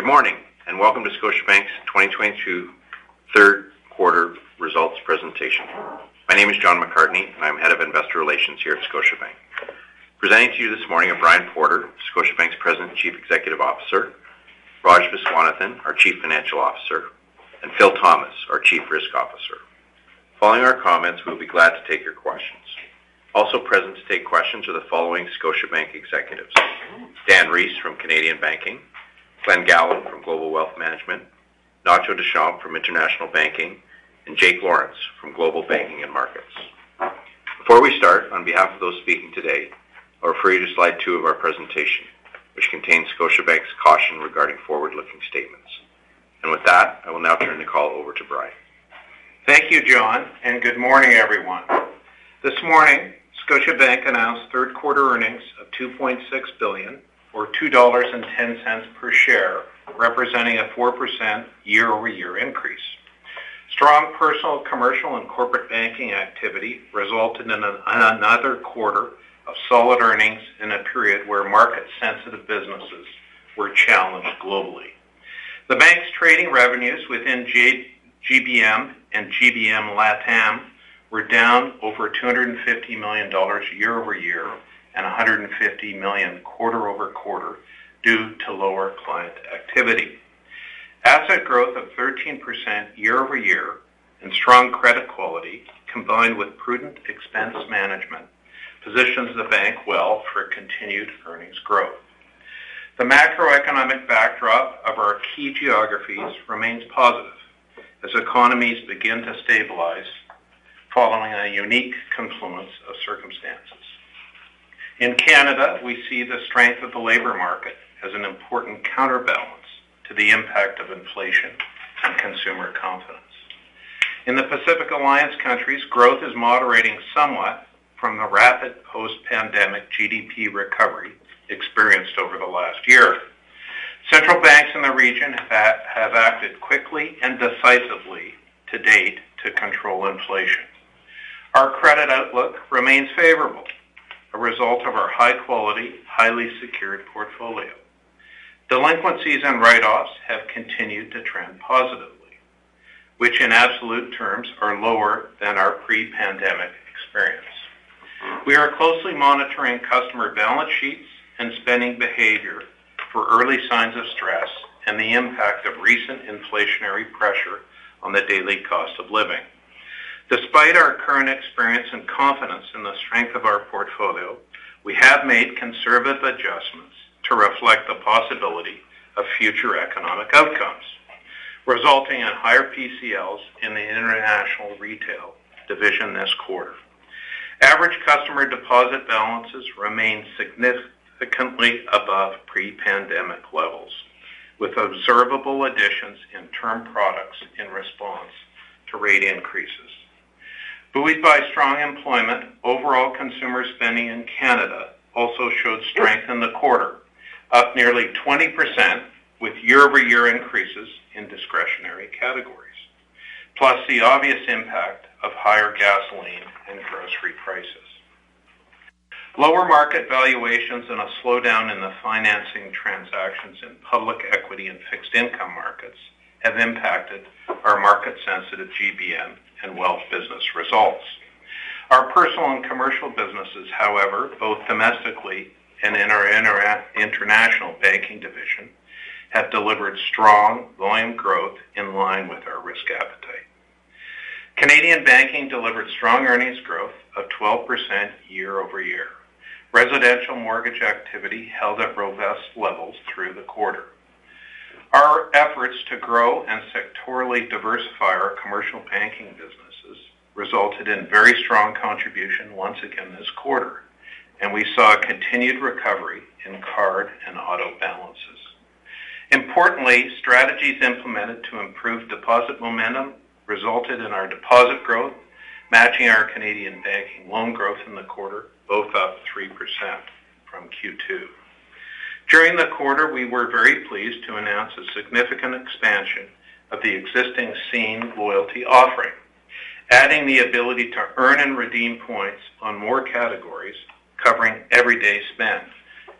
Good morning, and welcome to Scotiabank's 2022 Q3 results presentation. My name is John McCartney, and I'm Head of Investor Relations here at Scotiabank. Presenting to you this morning are Brian Porter, Scotiabank's President and Chief Executive Officer, Raj Viswanathan, our Chief Financial Officer, and Phil Thomas, our Chief Risk Officer. Following our comments, we'll be glad to take your questions. Also present to take questions are the following Scotiabank executives, Dan Rees from Canadian Banking, Glen Gowland from Global Wealth Management, Ignacio Deschamps from International Banking, and Jake Lawrence from Global Banking and Markets. Before we start, on behalf of those speaking today, I refer you to slide 2 of our presentation, which contains Scotiabank's caution regarding forward-looking statements. With that, I will now turn the call over to Brian. Thank you, John, and good morning, everyone. This morning, Scotiabank announced Q3 earnings of 2.6 billion or 2.10 dollars per share, representing a 4% year-over-year increase. Strong personal, commercial, and corporate banking activity resulted in another quarter of solid earnings in a period where market-sensitive businesses were challenged globally. The bank's trading revenues within GBM and GBM LATAM were down over 250 million dollars year-over-year and 150 million quarter-over-quarter due to lower client activity. Asset growth of 13% year-over-year and strong credit quality, combined with prudent expense management, positions the bank well for continued earnings growth. The macroeconomic backdrop of our key geographies remains positive as economies begin to stabilize following a unique confluence of circumstances. In Canada, we see the strength of the labor market as an important counterbalance to the impact of inflation on consumer confidence. In the Pacific Alliance countries, growth is moderating somewhat from the rapid post-pandemic GDP recovery experienced over the last year. Central banks in the region have acted quickly and decisively to date to control inflation. Our credit outlook remains favorable, a result of our high quality, highly secured portfolio. Delinquencies and write-offs have continued to trend positively, which in absolute terms are lower than our pre-pandemic experience. We are closely monitoring customer balance sheets and spending behavior for early signs of stress and the impact of recent inflationary pressure on the daily cost of living. Despite our current experience and confidence in the strength of our portfolio, we have made conservative adjustments to reflect the possibility of future economic outcomes, resulting in higher PCLs in the international retail division this quarter. Average customer deposit balances remain significantly above pre-pandemic levels, with observable additions in term products in response to rate increases. Buoyed by strong employment, overall consumer spending in Canada also showed strength in the quarter, up nearly 20% with year-over-year increases in discretionary categories, plus the obvious impact of higher gasoline and grocery prices. Lower market valuations and a slowdown in the financing transactions in public equity and fixed income markets have impacted our market sensitive GBM and wealth business results. Our personal and commercial businesses, however, both domestically and in our international banking division, have delivered strong volume growth in line with our risk appetite. Canadian banking delivered strong earnings growth of 12% year-over-year. Residential mortgage activity held at robust levels through the quarter. Our efforts to grow and sectorally diversify our commercial banking businesses resulted in very strong contribution once again this quarter, and we saw a continued recovery in card and auto balances. Importantly, strategies implemented to improve deposit momentum resulted in our deposit growth, matching our Canadian banking loan growth in the quarter, both up 3% from Q2. During the quarter, we were very pleased to announce a significant expansion of the existing Scene+ loyalty offering, adding the ability to earn and redeem points on more categories covering everyday spend,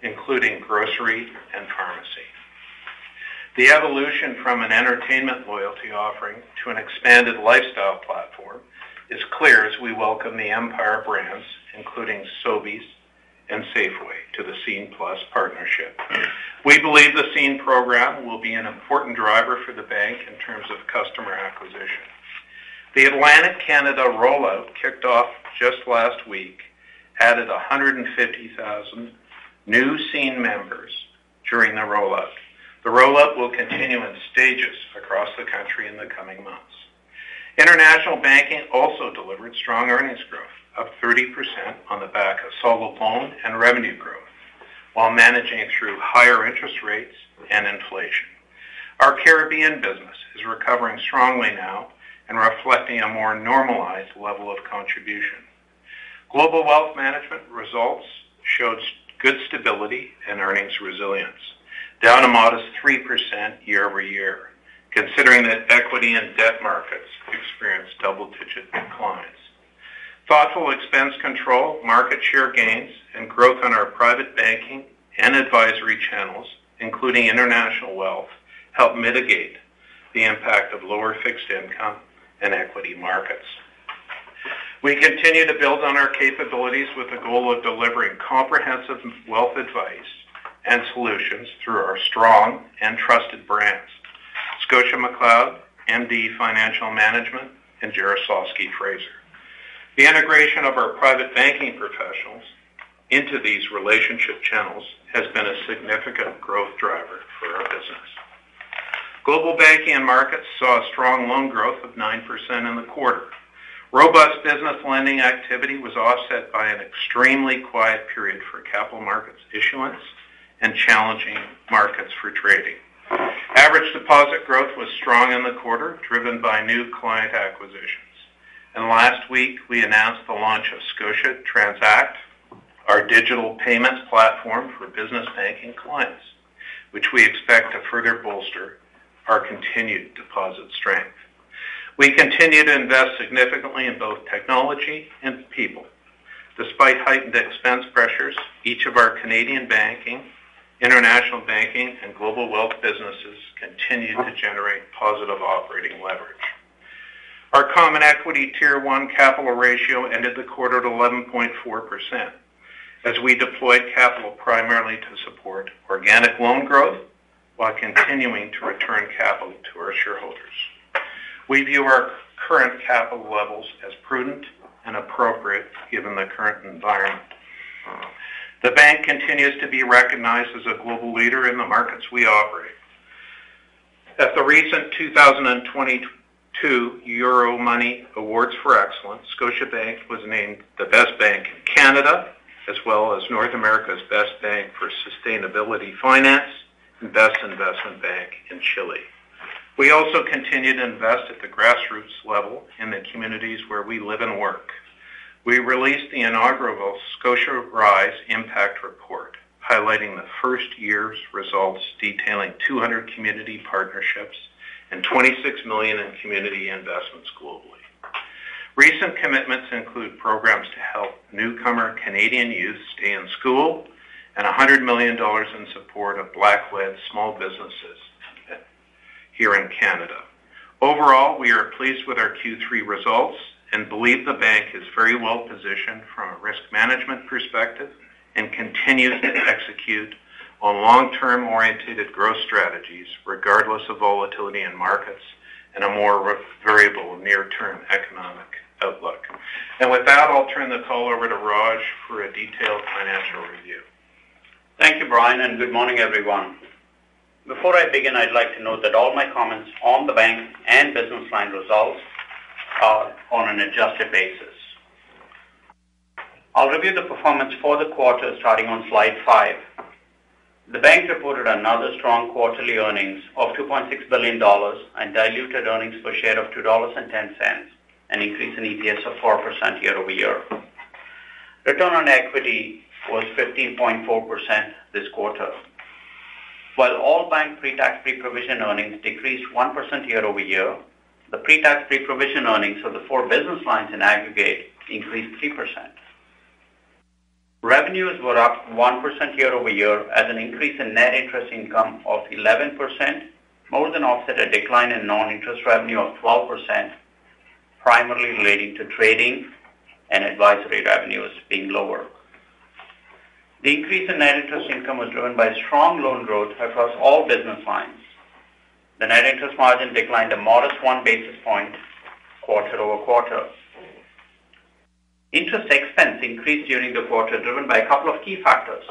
including grocery and pharmacy. The evolution from an entertainment loyalty offering to an expanded lifestyle platform is clear as we welcome the Empire brands, including Sobeys and Safeway, to the Scene+ partnership. We believe the Scene program will be an important driver for the bank in terms of customer acquisition. The Atlantic Canada rollout kicked off just last week, added 150,000 new Scene members during the rollout. The rollout will continue in stages across the country in the coming months. International Banking also delivered strong earnings growth of 30% on the back of solid loan and revenue growth while managing through higher interest rates and inflation. Our Caribbean business is recovering strongly now and reflecting a more normalized level of contribution. Global Wealth Management results showed good stability and earnings resilience, down a modest 3% year-over-year, considering that equity and debt markets experienced double-digit. Careful expense control, market share gains and growth in our private banking and advisory channels, including international wealth, help mitigate the impact of lower fixed income and equity markets. We continue to build on our capabilities with the goal of delivering comprehensive wealth advice and solutions through our strong and trusted brands. ScotiaMcLeod, MD Financial Management, and Jarislowsky Fraser. The integration of our private banking professionals into these relationship channels has been a significant growth driver for our business. Global banking and markets saw a strong loan growth of 9% in the quarter. Robust business lending activity was offset by an extremely quiet period for capital markets issuance and challenging markets for trading. Average deposit growth was strong in the quarter, driven by new client acquisitions. Last week, we announced the launch of Scotia TranXact, our digital payments platform for business banking clients, which we expect to further bolster our continued deposit strength. We continue to invest significantly in both technology and people. Despite heightened expense pressures, each of our Canadian banking, international banking, and global wealth businesses continue to generate positive operating leverage. Our common equity tier 1 capital ratio ended the quarter at 11.4% as we deployed capital primarily to support organic loan growth while continuing to return capital to our shareholders. We view our current capital levels as prudent and appropriate given the current environment. The bank continues to be recognized as a global leader in the markets we operate. At the recent 2022 Euromoney Awards for Excellence, Scotiabank was named the best bank in Canada, as well as North America's best bank for sustainable finance, and best investment bank in Chile. We also continue to invest at the grassroots level in the communities where we live and work. We released the inaugural ScotiaRISE Impact Report, highlighting the 1st year's results, detailing 200 community partnerships and 26 million in community investments globally. Recent commitments include programs to help newcomer Canadian youth stay in school and 100 million dollars in support of black-led small businesses here in Canada. Overall, we are pleased with our Q3 results and believe the bank is very well positioned from a risk management perspective and continues to execute on long-term oriented growth strategies regardless of volatility in markets and a more variable near-term economic outlook. With that, I'll turn the call over to Raj for a detailed financial review. Thank you, Brian, and good morning, everyone. Before I begin, I'd like to note that all my comments on the bank and business line results are on an adjusted basis. I'll review the performance for the quarter starting on slide 5. The bank reported another strong quarterly earnings of 2.6 billion dollars and diluted earnings per share of 2.10 dollars, an increase in EPS of 4% year-over-year. Return on equity was 15.4% this quarter. While all bank pre-tax, pre-provision earnings decreased 1% year-over-year, the pre-tax, pre-provision earnings for the 4 business lines in aggregate increased 3%. Revenues were up 1% year-over-year as an increase in net interest income of 11% more than offset a decline in non-interest revenue of 12%, primarily relating to trading and advisory revenues being lower. The increase in net interest income was driven by strong loan growth across all business lines. The net interest margin declined a modest 1 basis point quarter-over-quarter. Interest expense increased during the quarter, driven by a couple of key factors.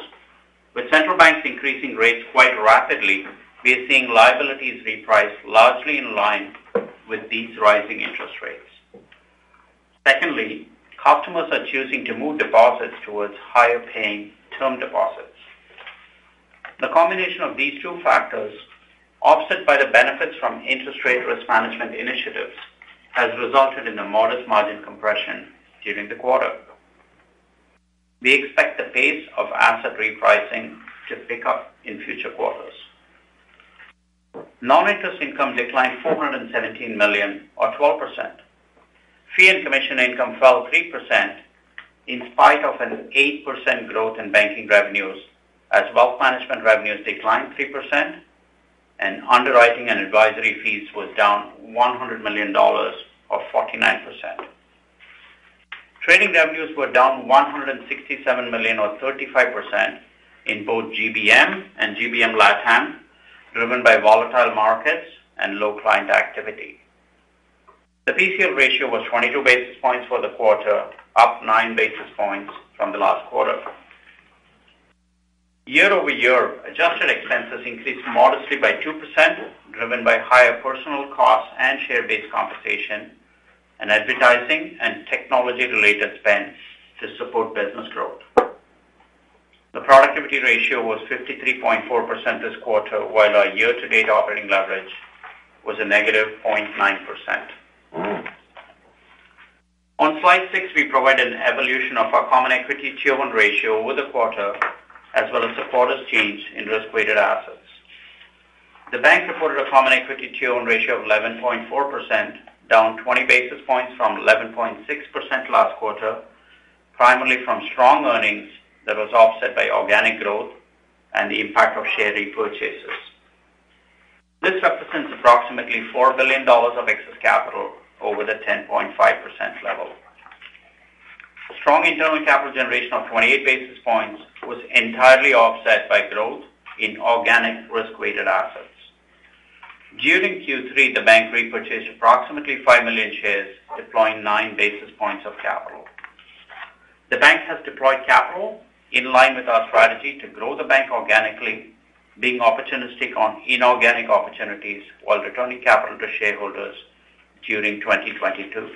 With central banks increasing rates quite rapidly, we are seeing liabilities reprice largely in line with these rising interest rates. Secondly, customers are choosing to move deposits towards higher paying term deposits. The combination of these 2 factors, offset by the benefits from interest rate risk management initiatives, has resulted in a modest margin compression during the quarter. We expect the pace of asset repricing to pick up in future quarters. Non-interest income declined 417 million or 12%. Fee and commission income fell 3% in spite of an 8% growth in banking revenues as wealth management revenues declined 3% and underwriting and advisory fees was down 100 million dollars or 49%. Trading revenues were down 167 million or 35% in both GBM and GBM LATAM, driven by volatile markets and low client activity. The PCL ratio was 22 basis points for the quarter, up 9 basis points from the last quarter. Year-over-year, adjusted expenses increased modestly by 2%, driven by higher personnel costs and share-based compensation and advertising and technology-related spend to support business growth. The productivity ratio was 53.4% this quarter, while our year-to-date operating leverage was a negative 0.9%. On slide 6, we provide an evolution of our common equity tier 1 ratio over the quarter, as well as the quarter's change in risk-weighted assets. The bank reported a common equity tier 1 ratio of 11.4%, down 20 basis points from 11.6% last quarter, primarily from strong earnings that was offset by organic growth and the impact of share repurchases. This represents approximately 4 billion dollars of excess capital over the 10.5% level. Strong internal capital generation of 28 basis points was entirely offset by growth in organic risk-weighted assets. During Q3, the bank repurchased approximately 5 million shares, deploying 9 basis points of capital. The bank has deployed capital in line with our strategy to grow the bank organically, being opportunistic on inorganic opportunities while returning capital to shareholders during 2022.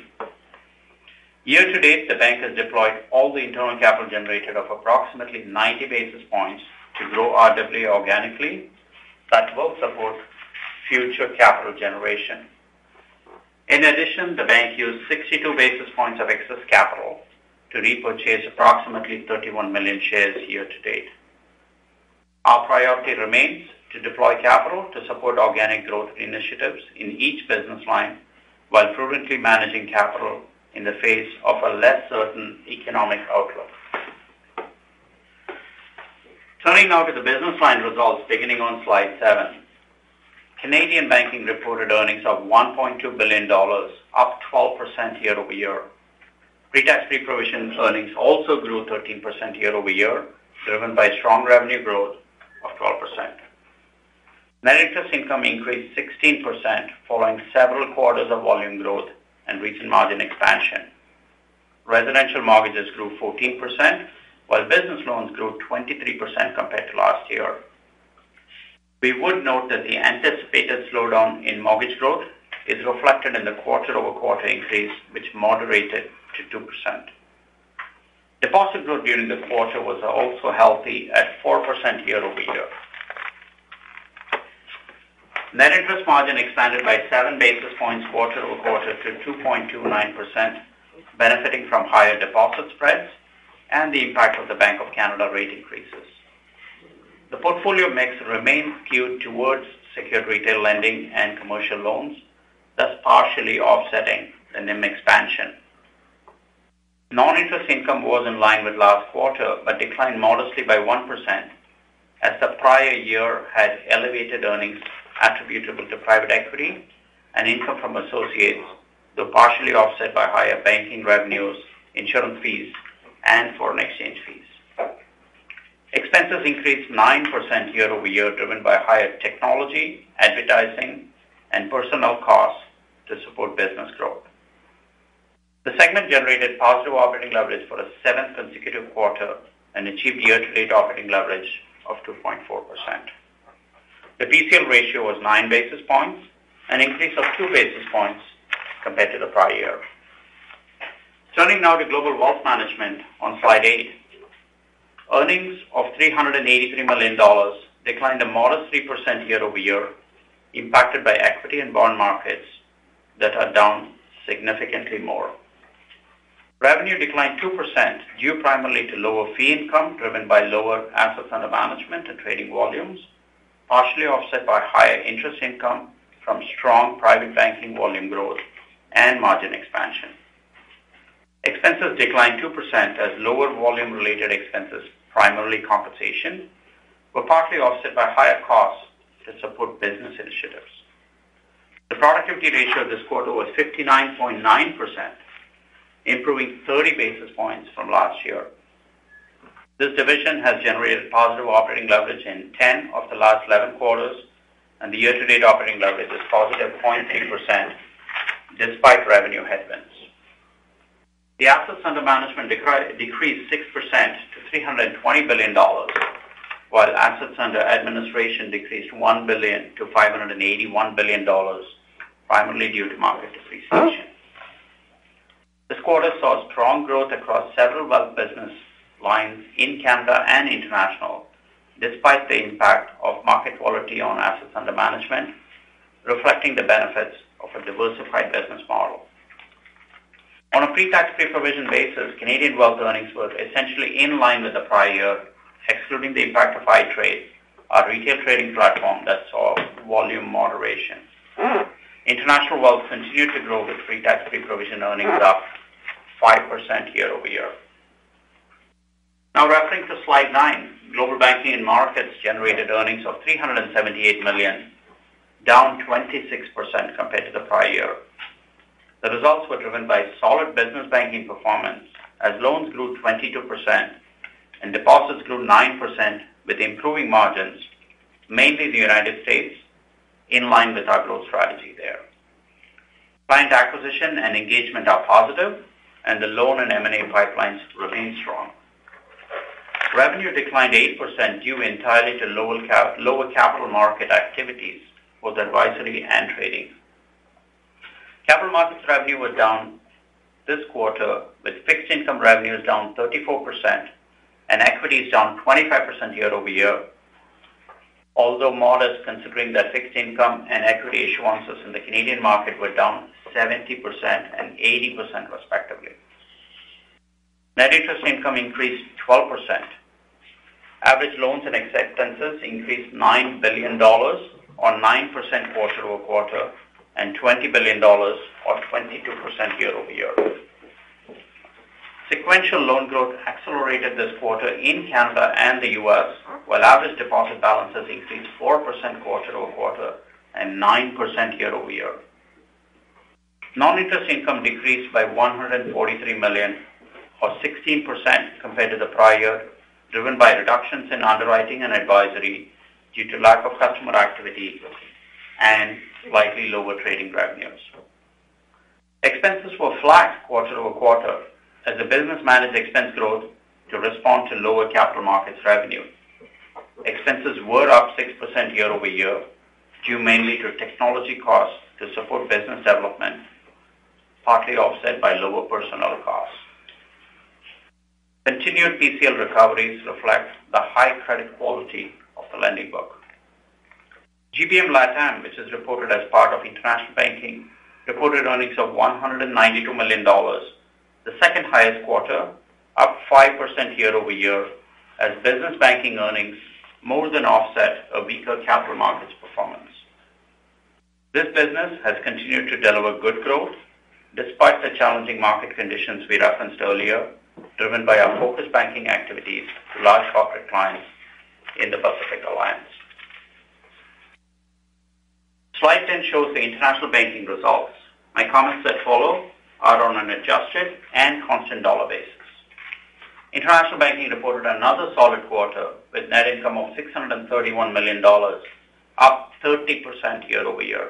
Year-to-date, the bank has deployed all the internal capital generated of approximately 90 basis points to grow RWA organically that will support future capital generation. In addition, the bank used 62 basis points of excess capital to repurchase approximately 31 million shares year-to-date. Our priority remains to deploy capital to support organic growth initiatives in each business line while prudently managing capital in the face of a less certain economic outlook. Turning now to the business line results beginning on slide 7. Canadian banking reported earnings of 1.2 billion dollars, up 12% year-over-year. Pretax pre-provision earnings also grew 13% year-over-year, driven by strong revenue growth of 12%. Net interest income increased 16% following several quarters of volume growth and recent margin expansion. Residential mortgages grew 14%, while business loans grew 23% compared to last year. We would note that the anticipated slowdown in mortgage growth is reflected in the quarter-over-quarter increase, which moderated to 2%. Deposit growth during the quarter was also healthy at 4% year-over-year. Net interest margin expanded by 7 basis points quarter-over-quarter to 2.29%, benefiting from higher deposit spreads and the impact of the Bank of Canada rate increases. The portfolio mix remains skewed towards secured retail lending and commercial loans, thus partially offsetting the NIM expansion. Non-interest income was in line with last quarter, but declined modestly by 1% as the prior year had elevated earnings attributable to private equity and income from associates, though partially offset by higher banking revenues, insurance fees and foreign exchange fees. Expenses increased 9% year-over-year, driven by higher technology, advertising and personnel costs to support business growth. The segment generated positive operating leverage for a 7th consecutive quarter and achieved year-to-date operating leverage of 2.4%. The PCL ratio was 9 basis points, an increase of 2 basis points compared to the prior year. Turning now to global wealth management on slide 8. Earnings of 383 million dollars declined a modest 3% year-over-year, impacted by equity and bond markets that are down significantly more. Revenue declined 2% due primarily to lower fee income driven by lower assets under management and trading volumes, partially offset by higher interest income from strong private banking volume growth and margin expansion. Expenses declined 2% as lower volume related expenses, primarily compensation, were partly offset by higher costs to support business initiatives. The productivity ratio this quarter was 59.9%, improving 30 basis points from last year. This division has generated positive operating leverage in 10 of the last 11 quarters, and the year-to-date operating leverage is positive 0.3% despite revenue headwinds. The assets under management decreased 6% to 320 billion dollars, while assets under administration decreased 1 billion to 581 billion dollars primarily due to market depreciation. This quarter saw strong growth across several wealth business lines in Canada and international despite the impact of market volatility on assets under management, reflecting the benefits of a diversified business model. On a pretax pre-provision basis, Canadian wealth earnings were essentially in line with the prior year, excluding the impact of Scotia iTRADE, our retail trading platform that saw volume moderation. International wealth continued to grow with pretax pre-provision earnings up 5% year-over-year. Now referring to slide 9. Global banking and markets generated earnings of 378 million, down 26% compared to the prior year. The results were driven by solid business banking performance as loans grew 22% and deposits grew 9% with improving margins, mainly in the United States in line with our growth strategy there. Client acquisition and engagement are positive and the loan and M&A pipelines remain strong. Revenue declined 8% due entirely to lower capital market activities, both advisory and trading. Capital markets revenue was down this quarter with fixed income revenues down 34% and equities down 25% year-over-year. Although modest considering that fixed income and equity issuances in the Canadian market were down 70% and 80% respectively. Net interest income increased 12%. Average loans and acceptances increased 9 billion dollars or 9% quarter-over-quarter, and 20 billion dollars or 22% year-over-year. Sequential loan growth accelerated this quarter in Canada and the U.S., while average deposit balances increased 4% quarter-over-quarter and 9% year-over-year. Non-interest income decreased by 143 million or 16% compared to the prior year, driven by reductions in underwriting and advisory due to lack of customer activity and slightly lower trading revenues. Expenses were flat quarter-over-quarter as the business managed expense growth to respond to lower capital markets revenue. Expenses were up 6% year-over-year, due mainly to technology costs to support business development, partly offset by lower personnel costs. Continued PCL recoveries reflect the high credit quality of the lending book. GBM LATAM, which is reported as part of international banking, reported earnings of 192 million dollars, the 2nd highest quarter, up 5% year-over-year, as business banking earnings more than offset a weaker capital markets performance. This business has continued to deliver good growth despite the challenging market conditions we referenced earlier, driven by our focused banking activities to large corporate clients in the Pacific Alliance. Slide 10 shows the international banking results. My comments that follow are on an adjusted and constant dollar basis. International banking reported another solid quarter with net income of 631 million dollars, up 30% year-over-year.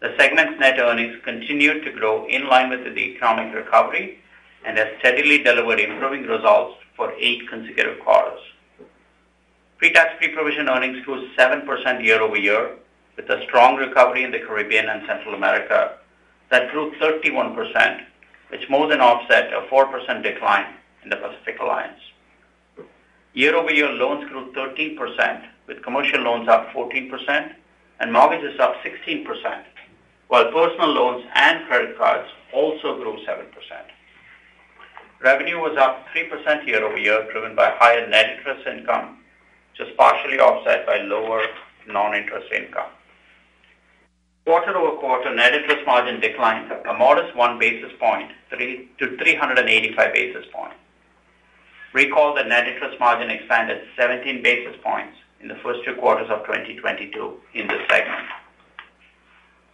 The segment's net earnings continued to grow in line with the economic recovery and has steadily delivered improving results for 8 consecutive quarters. Pre-tax, pre-provision earnings grew 7% year-over-year, with a strong recovery in the Caribbean and Central America that grew 31%, which more than offset a 4% decline in the Pacific Alliance. Year-over-year loans grew 13%, with commercial loans up 14% and mortgages up 16%, while personal loans and credit cards also grew 7%. Revenue was up 3% year-over-year, driven by higher net interest income, which is partially offset by lower non-interest income. Quarter-over-quarter, net interest margin declined a modest 3 basis points to 385 basis points. Recall that net interest margin expanded 17 basis points in the first 2 quarters of 2022 in this segment.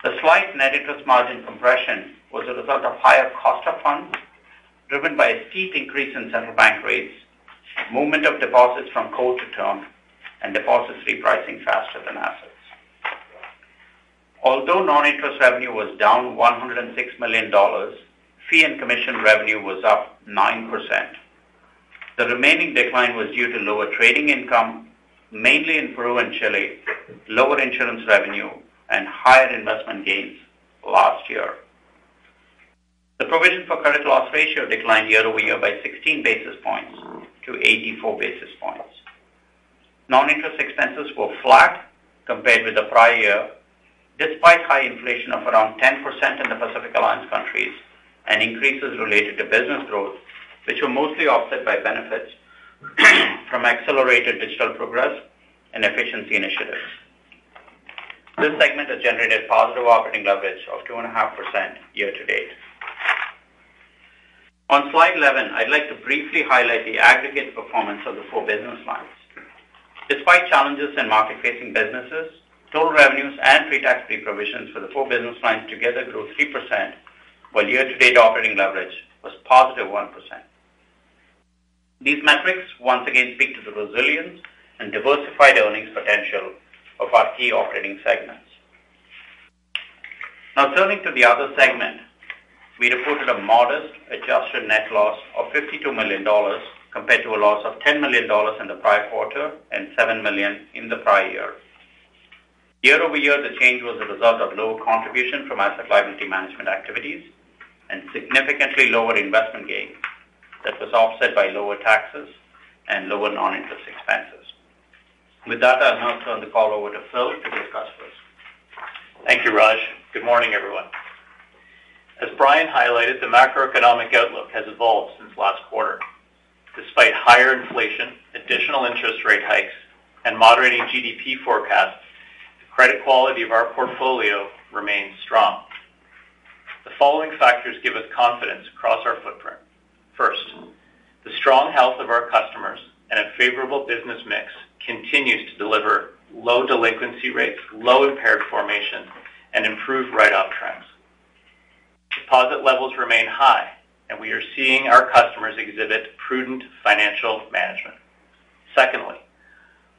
The slight net interest margin compression was a result of higher cost of funds driven by a steep increase in central bank rates, movement of deposits from core to term, and deposits repricing faster than assets. Although non-interest revenue was down 106 million dollars, fee and commission revenue was up 9%. The remaining decline was due to lower trading income, mainly in Peru and Chile, lower insurance revenue, and higher investment gains last year. The provision for credit loss ratio declined year-over-year by 16 basis points to 84 basis points. Non-interest expenses were flat compared with the prior year, despite high inflation of around 10% in the Pacific Alliance countries and increases related to business growth, which were mostly offset by benefits from accelerated digital progress and efficiency initiatives. This segment has generated positive operating leverage of 2.5% year to date. On slide 11, I'd like to briefly highlight the aggregate performance of the 4 business lines. Despite challenges in market-facing businesses, total revenues and pre-tax, pre-provisions for the 4 business lines together grew 3%, while year-to-date operating leverage was positive 1%. These metrics once again speak to the resilience and diversified earnings potential of our key operating segments. Now turning to the other segment, we reported a modest adjusted net loss of 52 million dollars compared to a loss of 10 million dollars in the prior quarter and 7 million in the prior year. Year over year, the change was a result of lower contribution from asset liability management activities and significantly lower investment gain that was offset by lower taxes and lower non-interest expenses. With that, I'll now turn the call over to Phil to discuss risks. Thank you, Raj. Good morning, everyone. As Brian highlighted, the macroeconomic outlook has evolved since last quarter. Despite higher inflation, additional interest rate hikes, and moderating GDP forecasts, the credit quality of our portfolio remains strong. The following factors give us confidence across our footprint. First, the strong health of our customers and a favorable business mix continues to deliver low delinquency rates, low impaired formation, and improved write off trends. Deposit levels remain high, and we are seeing our customers exhibit prudent financial management. Secondly,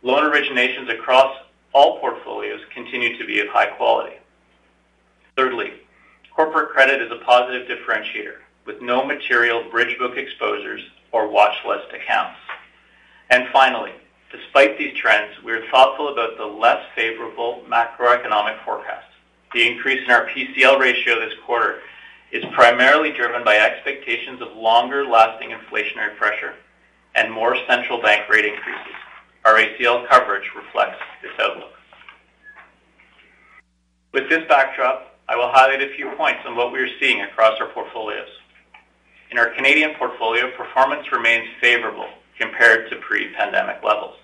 loan originations across all portfolios continue to be of high quality. Thirdly, corporate credit is a positive differentiator, with no material bridge book exposures or watchlist accounts. Finally, despite these trends, we are thoughtful about the less favorable macroeconomic forecasts. The increase in our PCL ratio this quarter is primarily driven by expectations of longer-lasting inflationary pressure and more central bank rate increases. Our ACL coverage reflects this outlook. With this backdrop, I will highlight a few points on what we are seeing across our portfolios. In our Canadian portfolio, performance remains favorable compared to pre-pandemic levels.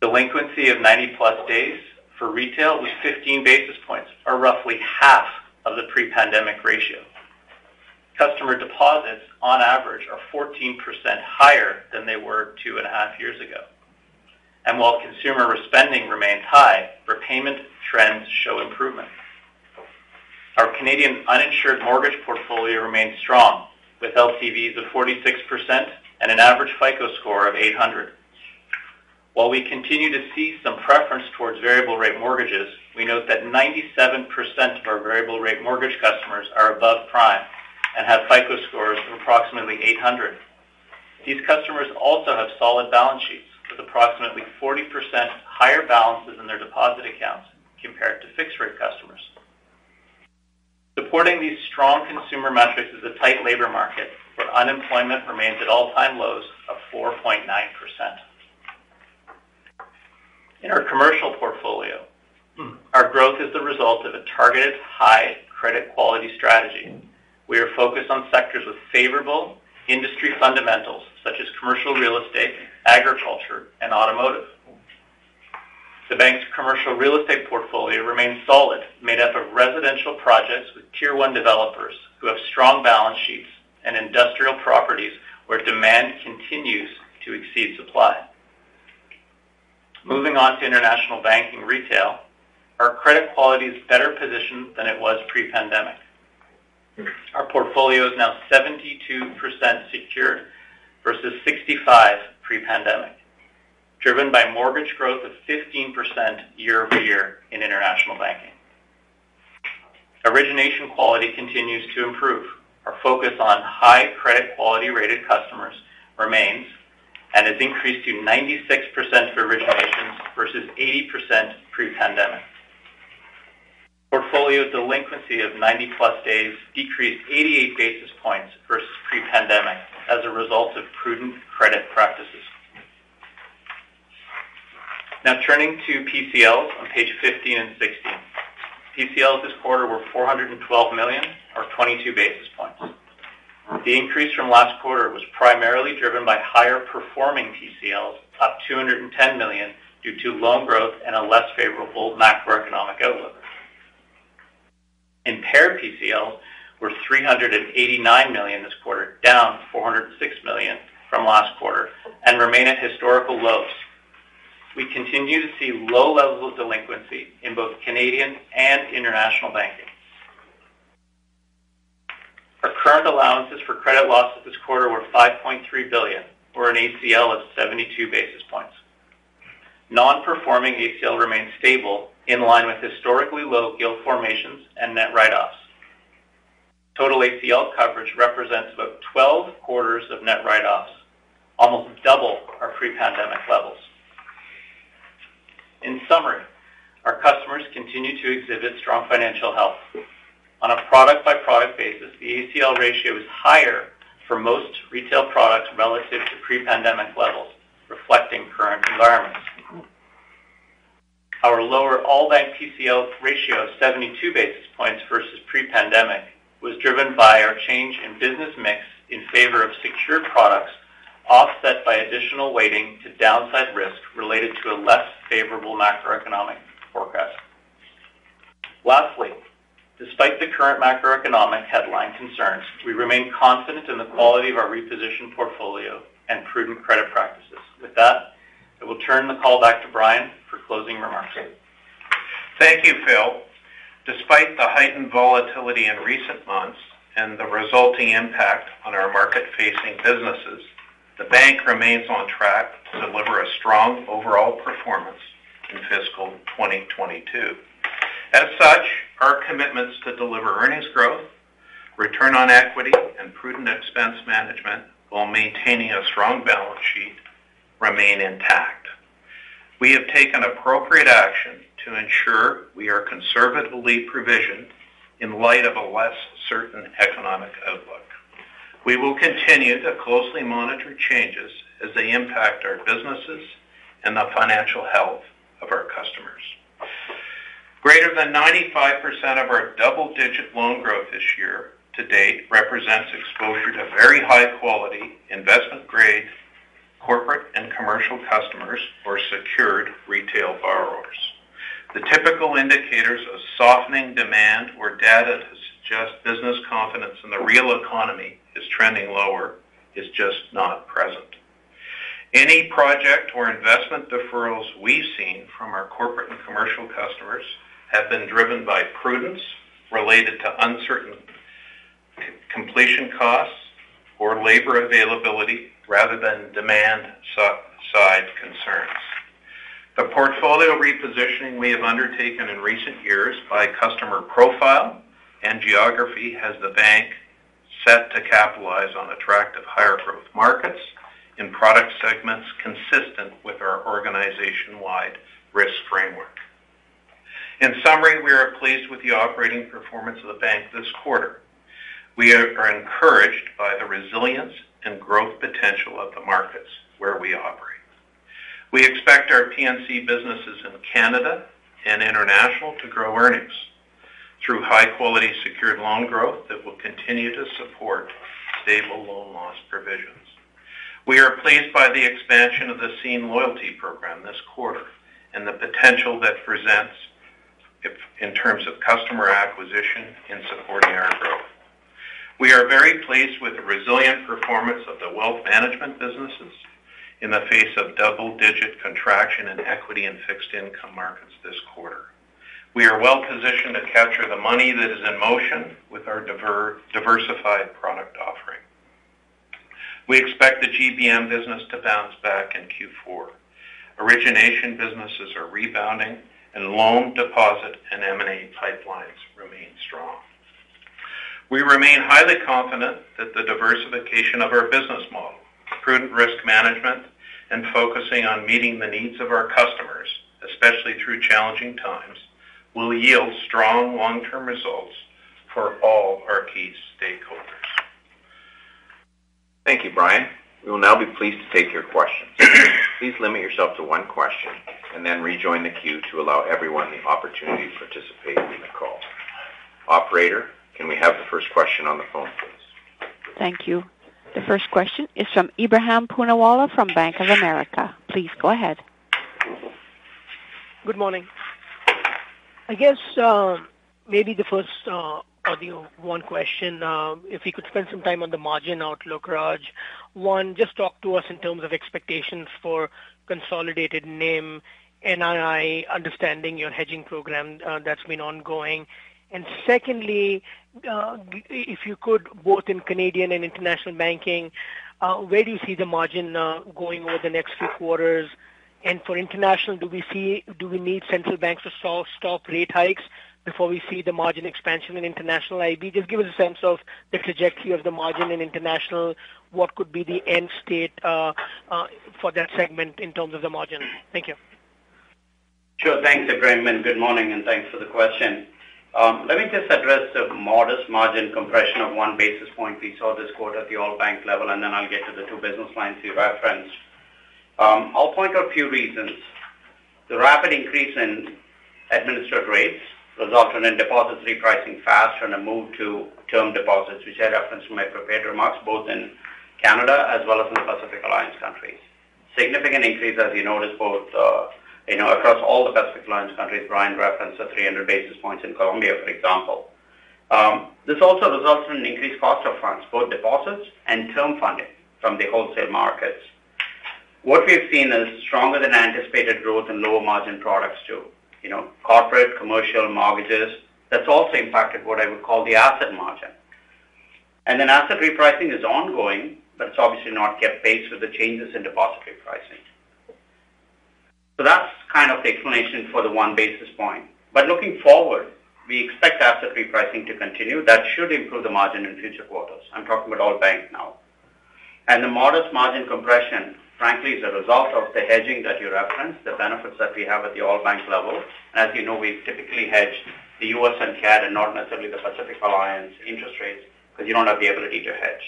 Delinquency of 90+ days for retail was 15 basis points, or roughly half of the pre-pandemic ratio. Customer deposits on average are 14% higher than they were 2.5 years ago. While consumer spending remains high, repayment trends show improvement. Our Canadian uninsured mortgage portfolio remains strong, with LTVs of 46% and an average FICO score of 800. While we continue to see some preference towards variable rate mortgages, we note that 97% of our variable rate mortgage customers are above prime and have FICO scores of approximately 800. These customers also have solid balance sheets with approximately 40% higher balances in their deposit accounts compared to fixed rate customers. Supporting these strong consumer metrics is a tight labor market, where unemployment remains at all-time lows of 4.9%. In our commercial portfolio, our growth is the result of a targeted high credit quality strategy. We are focused on sectors with favorable industry fundamentals such as commercial real estate, agriculture, and automotive. The bank's commercial real estate portfolio remains solid, made up of residential projects with tier 1 developers who have strong balance sheets and industrial properties where demand continues to exceed supply. Moving on to international banking retail, our credit quality is better positioned than it was pre-pandemic. Our portfolio is now 72% secured versus 65% pre-pandemic, driven by mortgage growth of 15% year-over-year in international banking. Origination quality continues to improve. Our focus on high credit quality rated customers remains and has increased to 96% for originations versus 80% pre-pandemic. Portfolio delinquency of 90+ days decreased 88 basis points versus pre-pandemic as a result of prudent credit practices. Now turning to PCLs on page 15 and 16. PCLs this quarter were 412 million or 22 basis points. The increase from last quarter was primarily driven by higher performing PCLs, up 210 million due to loan growth and a less favorable macroeconomic outlook. Impaired PCLs were 389 million this quarter, down 406 million from last quarter, and remain at historical lows. We continue to see low levels of delinquency in both Canadian and international banking. Our current allowances for credit losses this quarter were 5.3 billion or an ACL of 72 basis points. Non-performing ACL remains stable in line with historically low yield formations and net write-offs. Total ACL coverage represents about 12 quarters of net write-offs, almost double our pre-pandemic levels. In summary, our customers continue to exhibit strong financial health. On a product-by-product basis, the ACL ratio is higher for most retail products relative to pre-pandemic levels reflecting current environments. Our lower all bank PCL ratio of 72 basis points versus pre-pandemic was driven by our change in business mix in favor of secured products, offset by additional weighting to downside risk related to a less favorable macroeconomic forecast. Lastly, despite the current macroeconomic headline concerns, we remain confident in the quality of our repositioned portfolio and prudent credit practices. With that, I will turn the call back to Brian for closing remarks. Thank you, Phil. Despite the heightened volatility in recent months and the resulting impact on our market-facing businesses, the bank remains on track to deliver a strong overall performance in fiscal 2022. As such, our commitments to deliver earnings growth, return on equity, and prudent expense management while maintaining a strong balance sheet remain intact. We have taken appropriate action to ensure we are conservatively provisioned in light of a less certain economic outlook. We will continue to closely monitor changes as they impact our businesses and the financial health of our customers. Greater than 95% of our double-digit loan growth this year to date represents exposure to very high quality investment grade corporate and commercial customers or secured retail borrowers. The typical indicators of softening demand or data that suggest business confidence in the real economy is trending lower is just not present. Any project or investment deferrals we've seen from our corporate and commercial customers have been driven by prudence related to uncertain completion costs or labor availability rather than demand-side concerns. The portfolio repositioning we have undertaken in recent years by customer profile and geography has the bank set to capitalize on attractive higher growth markets in product segments consistent with our organization-wide risk framework. In summary, we are pleased with the operating performance of the bank this quarter. We are encouraged by the resilience and growth potential of the markets where we operate. We expect our P&C businesses in Canada and international to grow earnings through high quality secured loan growth that will continue to support stable loan loss provisions. We are pleased by the expansion of the Scene+ loyalty program this quarter and the potential that presents in terms of customer acquisition in supporting our growth. We are very pleased with the resilient performance of the wealth management businesses in the face of double-digit contraction in equity and fixed income markets this quarter. We are well positioned to capture the money that is in motion with our diversified product offering. We expect the GBM business to bounce back in Q4. Origination businesses are rebounding and loan, deposit, and M&A pipelines remain strong. We remain highly confident that the diversification of our business model, prudent risk management and focusing on meeting the needs of our customers, especially through challenging times, will yield strong long-term results for all our key stakeholders. Thank you, Brian. We will now be pleased to take your questions. Please limit yourself to 1 question and then rejoin the queue to allow everyone the opportunity to participate in the call. Operator, can we have the first question on the phone, please? Thank you. The first question is from Ebrahim Poonawala from Bank of America. Please go ahead. Good morning. Maybe the first question, if you could spend some time on the margin outlook, Raj. 1, just talk to us in terms of expectations for consolidated NIM, NII, understanding your hedging program, that's been ongoing. Secondly, if you could both in Canadian and international banking, where do you see the margin going over the next few quarters? For international, do we need central banks to stop rate hikes before we see the margin expansion in international IB? Just give us a sense of the trajectory of the margin in international. What could be the end state, for that segment in terms of the margin? Thank you. Sure. Thanks, Ebrahim, and good morning and thanks for the question. Let me just address the modest margin compression of 1 basis point we saw this quarter at the all bank level, and then I'll get to the 2 business lines you referenced. I'll point out a few reasons. The rapid increase in administered rates resulted in deposits repricing faster and a move to term deposits, which I referenced in my prepared remarks, both in Canada as well as in the Pacific Alliance countries. Significant increase, as you notice, both, you know, across all the Pacific Alliance countries. Brian referenced the 300 basis points in Colombia, for example. This also results in increased cost of funds, both deposits and term funding from the wholesale markets. What we've seen is stronger than anticipated growth in lower margin products too, you know, corporate, commercial mortgages. That's also impacted what I would call the asset margin. Then asset repricing is ongoing, but it's obviously not kept pace with the changes in deposit repricing. That's kind of the explanation for the 1 basis point. Looking forward, we expect asset repricing to continue. That should improve the margin in future quarters. I'm talking about all bank now. The modest margin compression, frankly, is a result of the hedging that you referenced, the benefits that we have at the all bank level. As you know, we've typically hedged the U.S. and CAD and not necessarily the Pacific Alliance interest rates because you don't have the ability to hedge.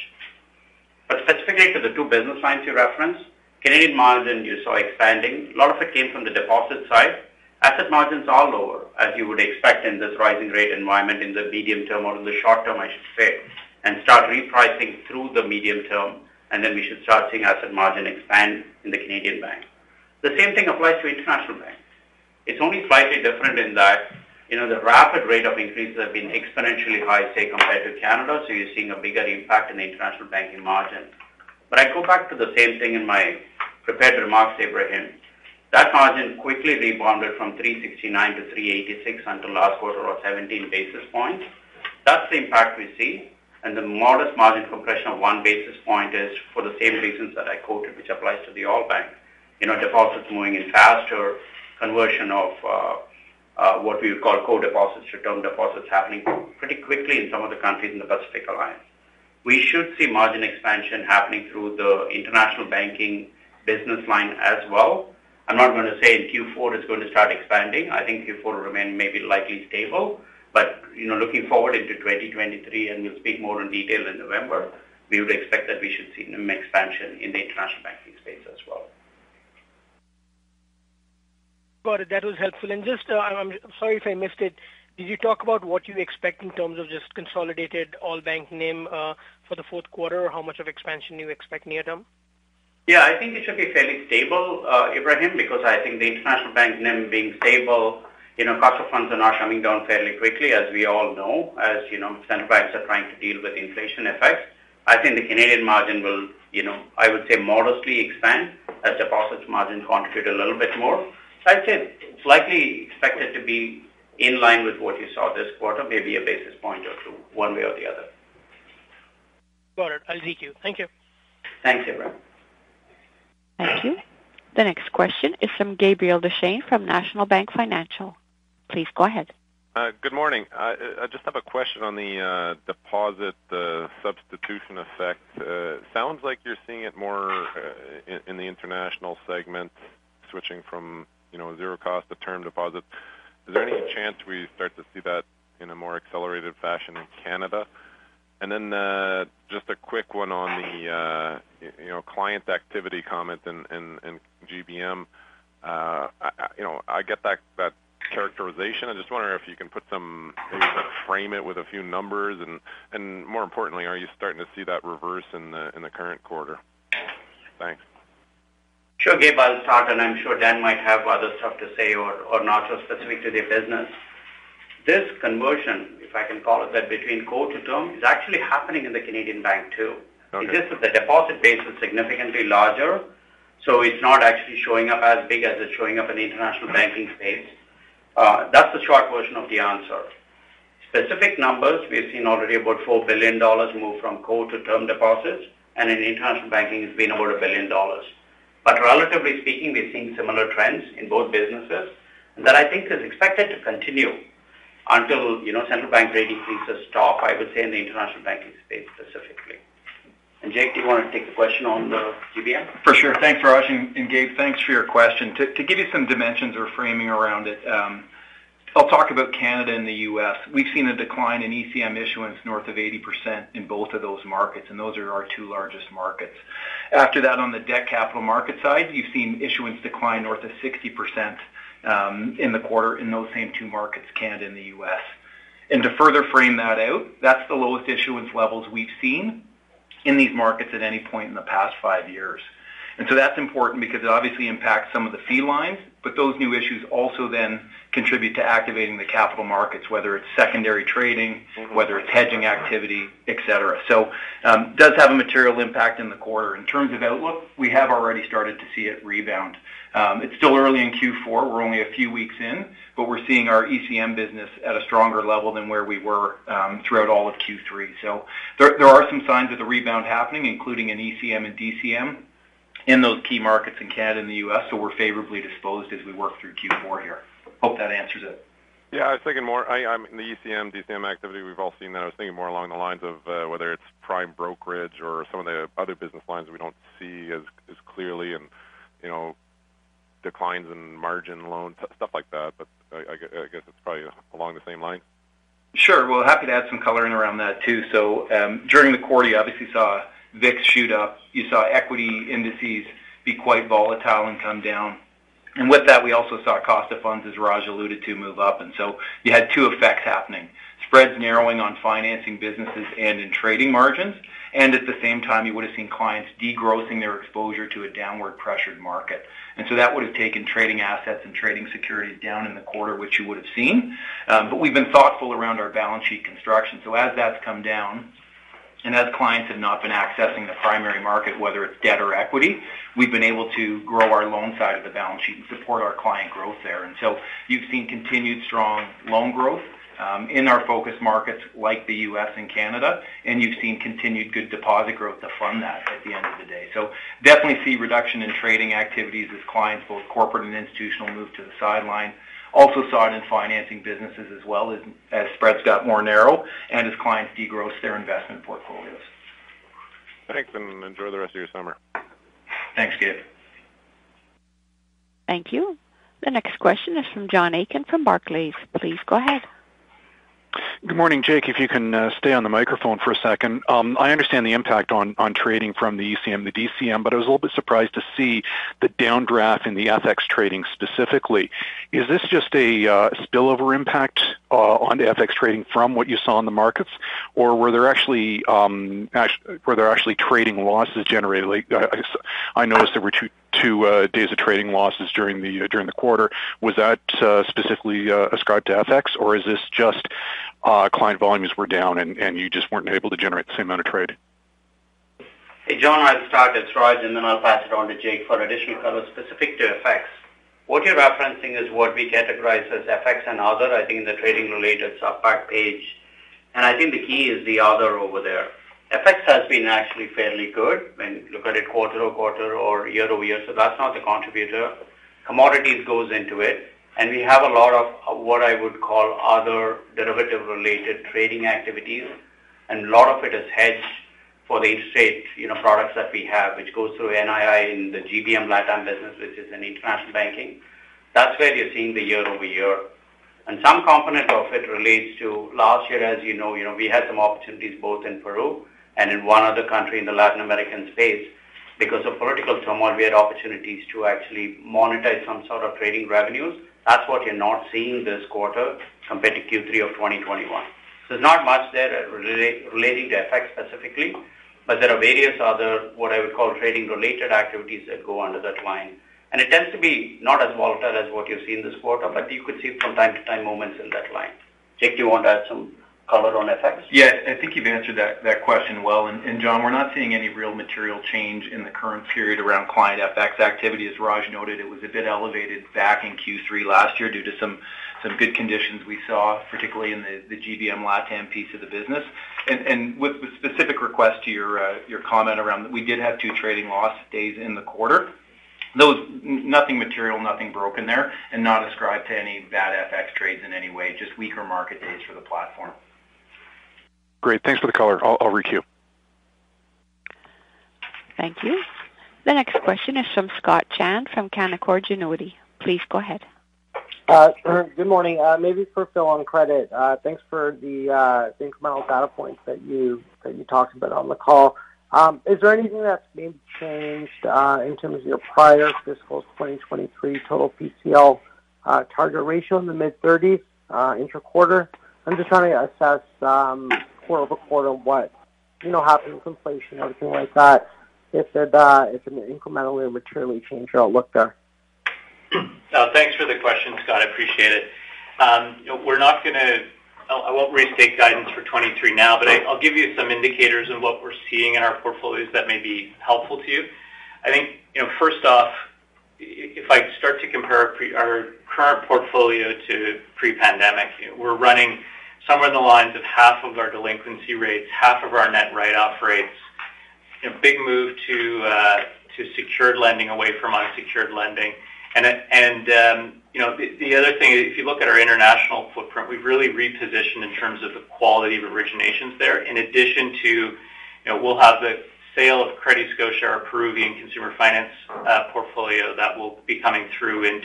Specifically to the 2 business lines you referenced, Canadian margin you saw expanding, a lot of it came from the deposit side. Asset margins are lower, as you would expect in this rising rate environment in the medium term or in the short term, I should say, and start repricing through the medium term. Then we should start seeing asset margin expand in the Canadian bank. The same thing applies to international banks. It's only slightly different in that, you know, the rapid rate of increase has been exponentially high, say, compared to Canada. You're seeing a bigger impact in the international banking margin. I go back to the same thing in my prepared remarks, Ebrahim. That margin quickly rebounded from 369 to 386 in the last quarter of 17 basis points. That's the impact we see. The modest margin compression of 1 basis point is for the same reasons that I quoted, which applies to the whole bank. You know, deposits moving in faster, conversion of what we would call co-deposits to term deposits happening pretty quickly in some of the countries in the Pacific Alliance. We should see margin expansion happening through the international banking business line as well. I'm not going to say in Q4 it's going to start expanding. I think Q4 will remain maybe likely stable. You know, looking forward into 2023, and we'll speak more in detail in November, we would expect that we should see NIM expansion in the international banking space as well. Got it. That was helpful. Just, I'm sorry if I missed it. Did you talk about what you expect in terms of just consolidated all bank NIM for the Q4, or how much of expansion you expect near-term? Yeah, I think it should be fairly stable, Ebrahim, because I think the international bank NIM being stable, you know, cost of funds are now coming down fairly quickly, as we all know. As you know, central banks are trying to deal with inflation effects. I think the Canadian margin will, you know, I would say modestly expand as deposits margin contribute a little bit more. I'd say it's likely expected to be in line with what you saw this quarter, maybe a basis point or 2 one way or the other. Got it. I'll take you. Thank you. Thanks, Ebrahim. Thank you. The next question is from Gabriel Dechaine from National Bank Financial. Please go ahead. Good morning. I just have a question on the deposit, the substitution effect. Sounds like you're seeing it more in the international segment switching from, you know, 0 cost to term deposits. Is there any chance we start to see that in a more accelerated fashion in Canada? Just a quick one on the you know, client activity comment and GBM. You know, I get that characterization. I'm just wondering if you can put some maybe sort of frame it with a few numbers. More importantly, are you starting to see that reverse in the current quarter? Thanks. Sure, Gabe, I'll start, and I'm sure Dan might have other stuff to say or not so specific to the business. This conversion, if I can call it that, between core to term, is actually happening in the Canadian bank too. Okay. It's just that the deposit base is significantly larger, so it's not actually showing up as big as it's showing up in the international banking space. That's the short version of the answer. Specific numbers, we've seen already about 4 billion dollars move from core to term deposits, and in international banking, it's been over 1 billion dollars. Relatively speaking, we're seeing similar trends in both businesses that I think is expected to continue until, you know, central bank rate increases stop, I would say, in the international banking space specifically. Jake, do you want to take the question on the GBM? For sure. Thanks, Raj. Gabe, thanks for your question. To give you some dimensions or framing around it, I'll talk about Canada and the U.S. We've seen a decline in ECM issuance north of 80% in both of those markets, and those are our 2 largest markets. After that, on the debt capital market side, you've seen issuance decline north of 60% in the quarter in those same 2 markets, Canada and the U.S. To further frame that out, that's the lowest issuance levels we've seen in these markets at any point in the past 5 years. That's important because it obviously impacts some of the fee lines, but those new issues also then contribute to activating the capital markets, whether it's secondary trading, whether it's hedging activity, et cetera. Does have a material impact in the quarter. In terms of outlook, we have already started to see it rebound. It's still early in Q4. We're only a few weeks in, but we're seeing our ECM business at a stronger level than where we were throughout all of Q3. There are some signs of the rebound happening, including in ECM and DCM in those key markets in Canada and the U.S., so we're favorably disposed as we work through Q4 here. Hope that answers it. I was thinking more the ECM, DCM activity. We've all seen that. I was thinking more along the lines of whether it's prime brokerage or some of the other business lines that we don't see as clearly and, you know, declines in margin loans, stuff like that. I guess it's probably along the same line. Sure. Well, happy to add some coloring around that too. During the quarter, you obviously saw VIX shoot up. You saw equity indices be quite volatile and come down. With that, we also saw cost of funds, as Raj alluded to, move up. You had 2 effects happening, spreads narrowing on financing businesses and in trading margins. At the same time, you would've seen clients degrossing their exposure to a downward pressured market. That would've taken trading assets and trading securities down in the quarter, which you would've seen. We've been thoughtful around our balance sheet construction. As that's come down and as clients have not been accessing the primary market, whether it's debt or equity, we've been able to grow our loan side of the balance sheet and support our client growth there. We've seen continued strong loan growth in our focus markets like the US and Canada, and we've seen continued good deposit growth to fund that at the end of the day. We definitely see a reduction in trading activities as clients, both corporate and institutional, move to the sidelines. We also saw it in financing businesses as well as spreads got more narrow and as clients degross their investment portfolios. Thanks, and enjoy the rest of your summer. Thanks, Gabe. Thank you. The next question is from John Aiken from Barclays. Please go ahead. Good morning. Jake, if you can stay on the microphone for a second. I understand the impact on trading from the ECM to DCM, but I was a little bit surprised to see the downdraft in the FX trading specifically. Is this just a spillover impact on the FX trading from what you saw in the markets? Or were there actually trading losses generated? Like, I noticed there were 2 days of trading losses during the quarter. Was that specifically ascribed to FX, or is this just client volumes were down and you just weren't able to generate the same amount of trade? Hey, John, I'll start. It's Raj, and then I'll pass it on to Jake for additional color specific to FX. What you're referencing is what we categorize as FX and other, I think in the trading related sub-pack page. I think the key is the other over there. FX has been actually fairly good when you look at it quarter-over-quarter or year-over-year, so that's not the contributor. Commodities goes into it, and we have a lot of what I would call other derivative related trading activities, and a lot of it is hedged for the interest rate, you know, products that we have, which goes through NII in the GBM LATAM business, which is in international banking. That's where you're seeing the year-over-year. Some component of it relates to last year, as you know, you know, we had some opportunities both in Peru and in 1 other country in the Latin American space. Because of political turmoil, we had opportunities to actually monetize some sort of trading revenues. That's what you're not seeing this quarter compared to Q3 of 2021. There's not much there relating to FX specifically, but there are various other, what I would call, trading related activities that go under that line. It tends to be not as volatile as what you've Scene+ this quarter, but you could see from time to time moments in that line. Jake, do you want to add some color on FX? Yeah. I think you've answered that question well. John, we're not seeing any real material change in the current period around client FX activity. As Raj noted, it was a bit elevated back in Q3 last year due to some good conditions we saw, particularly in the GBM LATAM piece of the business. With respect to your comment around that, we did have 2 trading loss days in the quarter. Nothing material, nothing broken there, and not ascribed to any bad FX trades in any way, just weaker market days for the platform. Great. Thanks for the color. I'll requeue. Thank you. The next question is from Scott Chan from Canaccord Genuity. Please go ahead. Good morning. Maybe for Phil on credit. Thanks for the incremental data points that you talked about on the call. Is there anything that's being changed in terms of your prior fiscal 2023 total PCL target ratio in the mid-30's inter-quarter? I'm just trying to assess quarter-over-quarter what you know happens to inflation or anything like that, if that's an incremental or material change or outlook there. Thanks for the question, Scott. I appreciate it. We're not gonna—I won't restate guidance for 2023 now, but I'll give you some indicators of what we're seeing in our portfolios that may be helpful to you. I think, you know, first off, if I start to compare our current portfolio to pre-pandemic, we're running somewhere in the lines of half of our delinquency rates, half of our net write off rates, a big move to secured lending away from unsecured lending. You know, the other thing, if you look at our international footprint, we've really repositioned in terms of the quality of originations there. In addition to, you know, we'll have the sale of CrediScotia, our Peruvian consumer finance portfolio that will be coming through in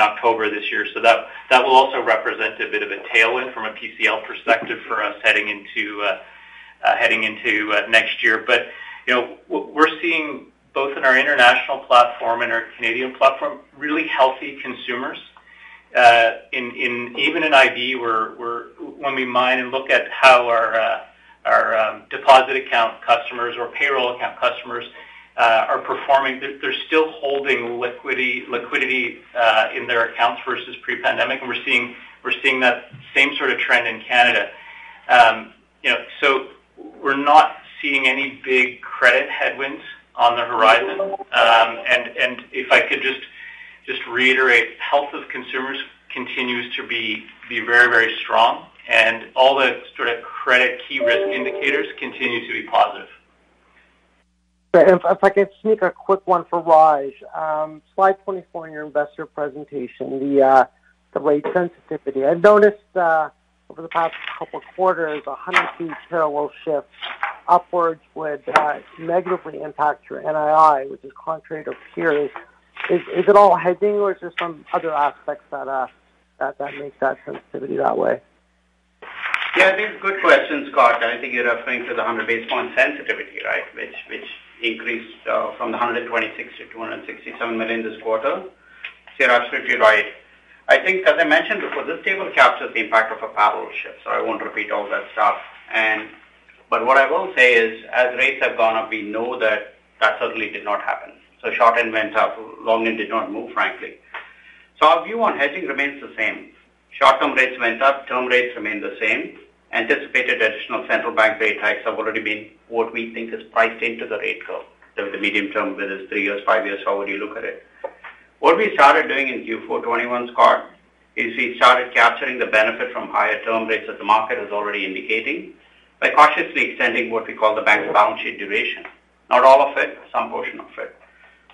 October this year. That will also represent a bit of a tailwind from a PCL perspective for us heading into next year. You know, we're seeing both in our international platform and our Canadian platform, really healthy consumers. Even in IB, when we mine and look at how our deposit account customers or payroll account customers are performing, they're still holding liquidity in their accounts versus pre-pandemic. We're seeing that same sort of trend in Canada. You know, we're not seeing any big credit headwinds on the horizon. If I could just reiterate, health of consumers continues to be very strong, and all the sort of key credit risk indicators continue to be positive. If I could sneak a quick one for Raj. Slide 24 in your investor presentation, the rate sensitivity. I've noticed over the past couple quarters, a 100 bp parallel shift upwards would negatively impact your NII, which is contrary to peers. Is it all hedging or is there some other aspects that make that sensitivity that way? Yeah, it is a good question, Scott. I think you're referring to the 100 basis point sensitivity, right? Which increased from 126 million to 267 million this quarter. You're absolutely right. I think as I mentioned before, this table captures the impact of a parallel shift, so I won't repeat all that stuff. What I will say is, as rates have gone up, we know that that certainly did not happen. Short end went up, long end did not move, frankly. Our view on hedging remains the same. Short-term rates went up, term rates remain the same. Anticipated additional central bank rate hikes have already been what we think is priced into the rate curve, the medium term, whether it's 3 years, 5 years, however you look at it. What we started doing in Q4 2021, Scott, is we started capturing the benefit from higher term rates that the market is already indicating by cautiously extending what we call the bank's balance sheet duration. Not all of it, some portion of it.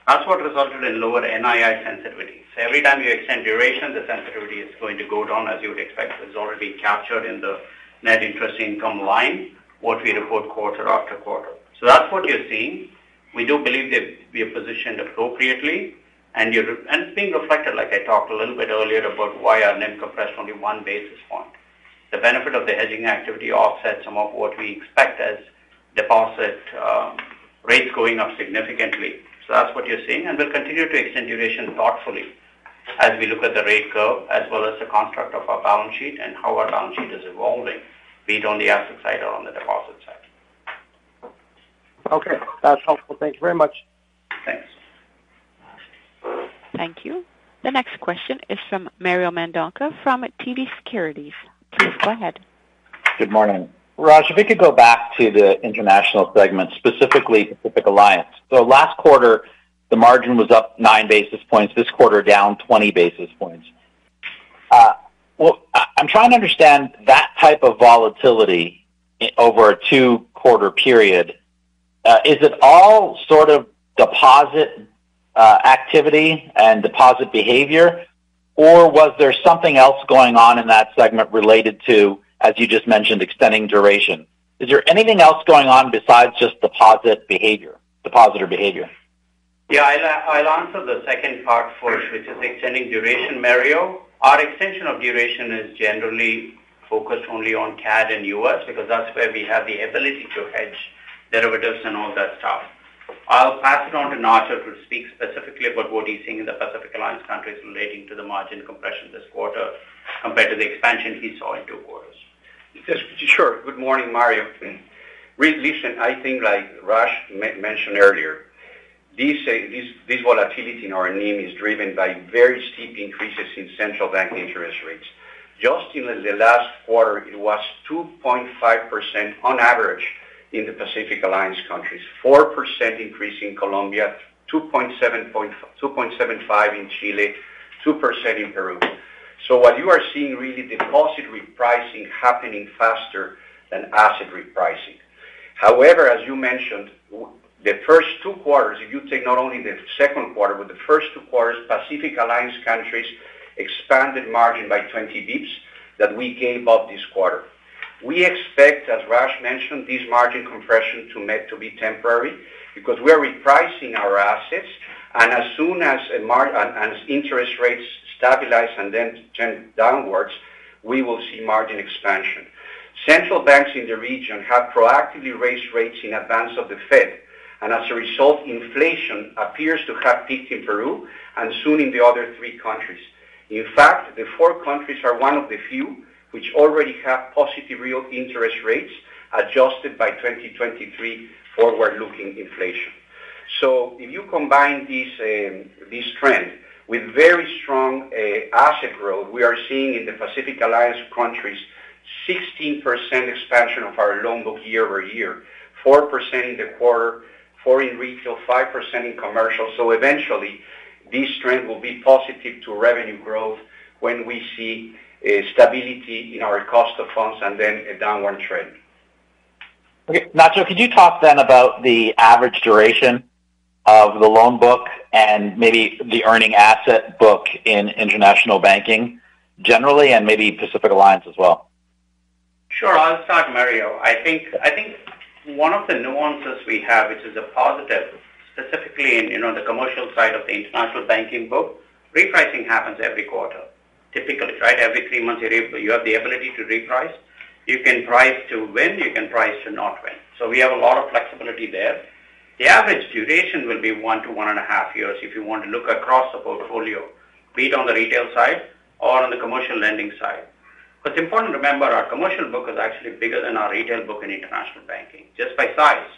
That's what resulted in lower NII sensitivity. Every time you extend duration, the sensitivity is going to go down, as you would expect. It's already captured in the net interest income line, what we report quarter-after-quarter. That's what you're seeing. We do believe that we are positioned appropriately, and it's being reflected, like I talked a little bit earlier about why our NIM compressed only 1 basis point. The benefit of the hedging activity offsets some of what we expect as deposit rates going up significantly. That's what you're seeing, and we'll continue to extend duration thoughtfully as we look at the rate curve as well as the construct of our balance sheet and how our balance sheet is evolving, be it on the asset side or on the deposit side. Okay. That's helpful. Thank you very much. Thanks. Thank you. The next question is from Mario Mendonca from TD Securities. Please go ahead. Good morning. Raj, if we could go back to the international segment, specifically Pacific Alliance. Last quarter, the margin was up 9 basis points, this quarter down 20 basis points. Well, I'm trying to understand that type of volatility over a 2-quarter period. Is it all sort of deposit activity and deposit behavior? Or was there something else going on in that segment related to, as you just mentioned, extending duration? Is there anything else going on besides just deposit behavior, depositor behavior? Yeah, I'll answer the second part first, which is extending duration, Mario. Our extension of duration is generally focused only on CAD and US, because that's where we have the ability to hedge derivatives and all that stuff. I'll pass it on to Nacho to speak specifically about what he's seeing in the Pacific Alliance countries relating to the margin compression this quarter compared to the expansion he saw in 2 quarters. Yes, sure. Good morning, Mario. Listen, I think like Raj mentioned earlier, this volatility in our NIM is driven by very steep increases in central bank interest rates. Just in the last quarter, it was 2.5% on average in the Pacific Alliance countries, 4% increase in Colombia, 2.75% in Chile, 2% in Peru. What you are seeing really deposit repricing happening faster than asset repricing. However, as you mentioned, the first 2 quarters, if you take not only the Q2, but the first 2 quarters, Pacific Alliance countries expanded margin by 20 basis points. That we gave up this quarter. We expect, as Raj mentioned, this margin compression to be temporary because we are repricing our assets. As soon as interest rates stabilize and then turn downwards, we will see margin expansion. Central banks in the region have proactively raised rates in advance of the Fed, and as a result, inflation appears to have peaked in Peru and soon in the other 3 countries. In fact, the 4 countries are one of the few which already have positive real interest rates adjusted by 2023 forward-looking inflation. If you combine this trend with very strong asset growth, we are seeing in the Pacific Alliance countries 16% expansion of our loan book year-over-year, 4% in the quarter, 4% in retail, 5% in commercial. Eventually, this trend will be positive to revenue growth when we see stability in our cost of funds and then a downward trend. Okay. Nacho, could you talk then about the average duration of the loan book and maybe the earning asset book in international banking generally and maybe Pacific Alliance as well? Sure. I'll start, Mario. I think one of the nuances we have, which is a positive specifically in, you know, the commercial side of the international banking book, repricing happens every quarter, typically, right? Every 3 months, you have the ability to reprice. You can price to win, you can price to not win. We have a lot of flexibility there. The average duration will be 1 to 1.5 years if you want to look across the portfolio, be it on the retail side or on the commercial lending side. What's important to remember, our commercial book is actually bigger than our retail book in international banking, just by size.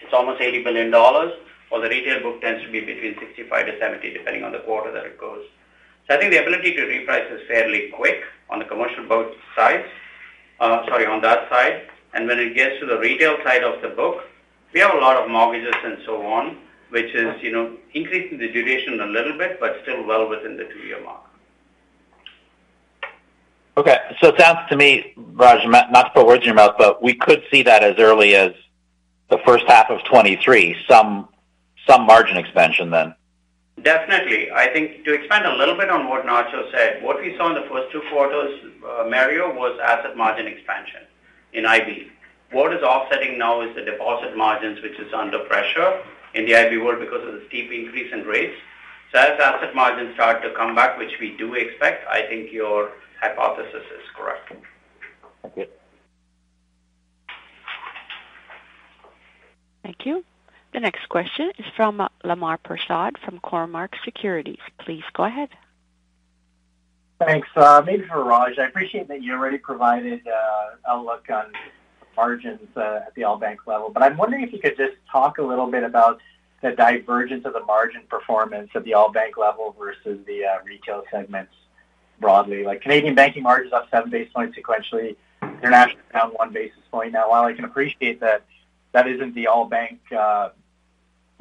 It's almost 80 billion dollars, while the retail book tends to be between 65 billion to 70 billion, depending on the quarter that it goes. I think the ability to reprice is fairly quick on the commercial book side, on that side. When it gets to the retail side of the book, we have a lot of mortgages and so on, which is, you know, increasing the duration a little bit, but still well within the 2-year mark. Okay. It sounds to me, Raj, not to put words in your mouth, but we could see that as early as the H1 of 2023, some margin expansion then. Definitely. I think to expand a little bit on what Nacho said, what we saw in the first 2 quarters, Mario, was asset margin expansion in IB. What is offsetting now is the deposit margins, which is under pressure in the IB world because of the steep increase in rates. As asset margins start to come back, which we do expect, I think your hypothesis is correct. Okay. Thank you. The next question is from Lemar Persaud from Cormark Securities. Please go ahead. Thanks. Maybe for Raj, I appreciate that you already provided a look on margins at the all-bank level. I'm wondering if you could just talk a little bit about the divergence of the margin performance at the all-bank level versus the retail segments broadly. Like, Canadian banking margins up 7 basis points sequentially, international down 1 basis point. Now, while I can appreciate that that isn't the all bank. Well,